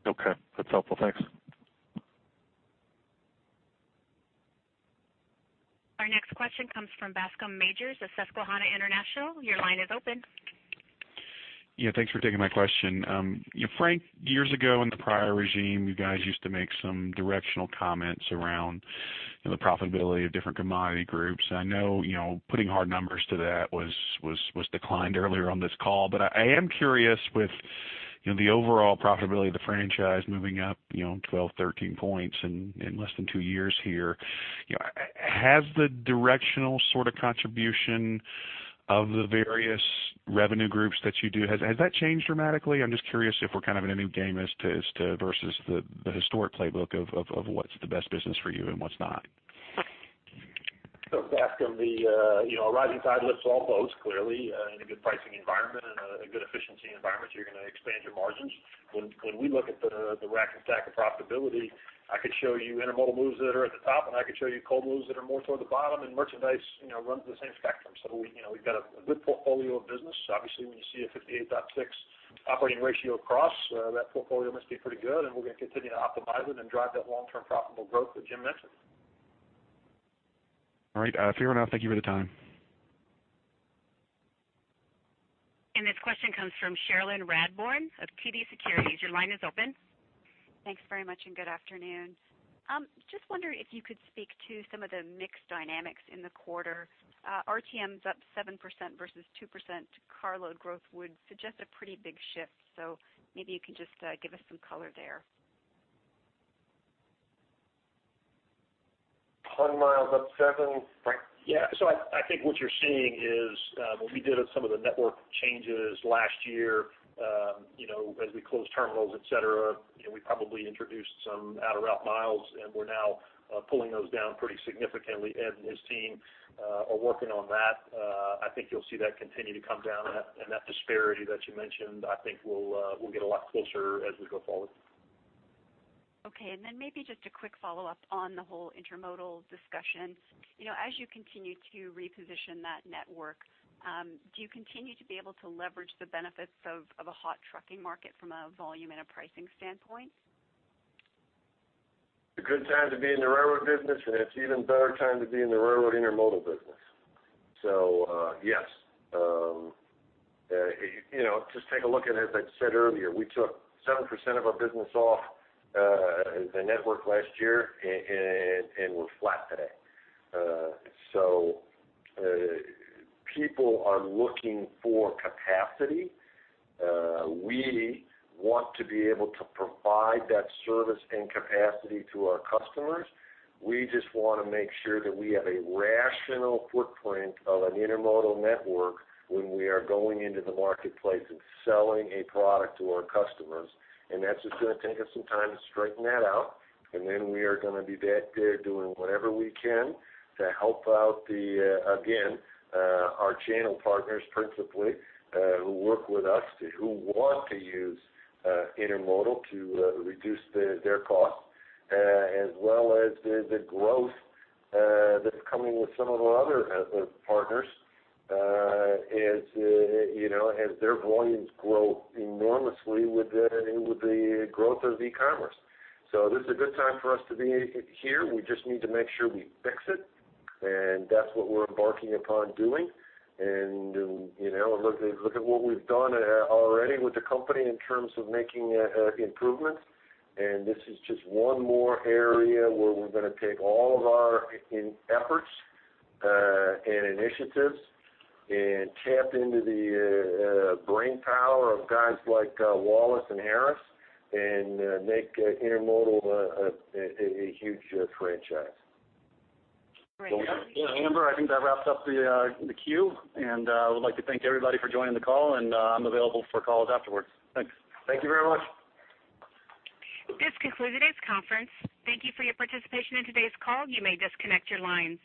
Okay, that's helpful. Thanks. Our next question comes from Bascome Majors of Susquehanna International. Your line is open. Thanks for taking my question. Frank, years ago in the prior regime, you guys used to make some directional comments around the profitability of different commodity groups. I know putting hard numbers to that was declined earlier on this call, but I am curious with the overall profitability of the franchise moving up 12, 13 points in less than two years here, has the directional sort of contribution of the various revenue groups that you do, has that changed dramatically? I'm just curious if we're in a new game versus the historic playbook of what's the best business for you and what's not. Bascome, a rising tide lifts all boats, clearly. In a good pricing environment and a good efficiency environment, you're going to expand your margins. When we look at the rack and stack of profitability, I could show you intermodal moves that are at the top, and I could show you coal moves that are more toward the bottom, and merchandise runs the same spectrum. We've got a good portfolio of business. Obviously, when you see a 58.6 operating ratio cross, that portfolio must be pretty good, and we're going to continue to optimize it and drive that long-term profitable growth that Jim mentioned. All right. Fair enough. Thank you for the time. This question comes from Cherilyn Radbourne of TD Securities. Your line is open. Thanks very much, and good afternoon. Just wondering if you could speak to some of the mix dynamics in the quarter. RTMs up 7% versus 2% carload growth would suggest a pretty big shift. Maybe you can just give us some color there. Ton miles up seven, Frank? Yeah. I think what you're seeing is when we did some of the network changes last year, as we closed terminals, et cetera, we probably introduced some out-of-route miles, and we're now pulling those down pretty significantly. Ed and his team are working on that. I think you'll see that continue to come down, and that disparity that you mentioned, I think, will get a lot closer as we go forward. Okay, maybe just a quick follow-up on the whole intermodal discussion. As you continue to reposition that network, do you continue to be able to leverage the benefits of a hot trucking market from a volume and a pricing standpoint? A good time to be in the railroad business, and it's an even better time to be in the railroad intermodal business. Yes. Just take a look at, as I said earlier, we took 7% of our business off the network last year, and we're flat today. People are looking for capacity. We want to be able to provide that service and capacity to our customers. We just want to make sure that we have a rational footprint of an intermodal network when we are going into the marketplace and selling a product to our customers, and that's just going to take us some time to straighten that out. We are going to be back there doing whatever we can to help out, again, our channel partners, principally, who work with us, who want to use intermodal to reduce their costs as well as the growth that's coming with some of our other partners as their volumes grow enormously with the growth of e-commerce. This is a good time for us to be here. We just need to make sure we fix it, and that's what we're embarking upon doing. Look at what we've done already with the company in terms of making improvements, and this is just one more area where we're going to take all of our efforts and initiatives and tap into the brainpower of guys like Wallace and Harris and make intermodal a huge franchise. Great. Amber, I think that wraps up the queue, and I would like to thank everybody for joining the call, and I'm available for calls afterwards. Thanks. Thank you very much. This concludes today's conference. Thank you for your participation in today's call. You may disconnect your lines.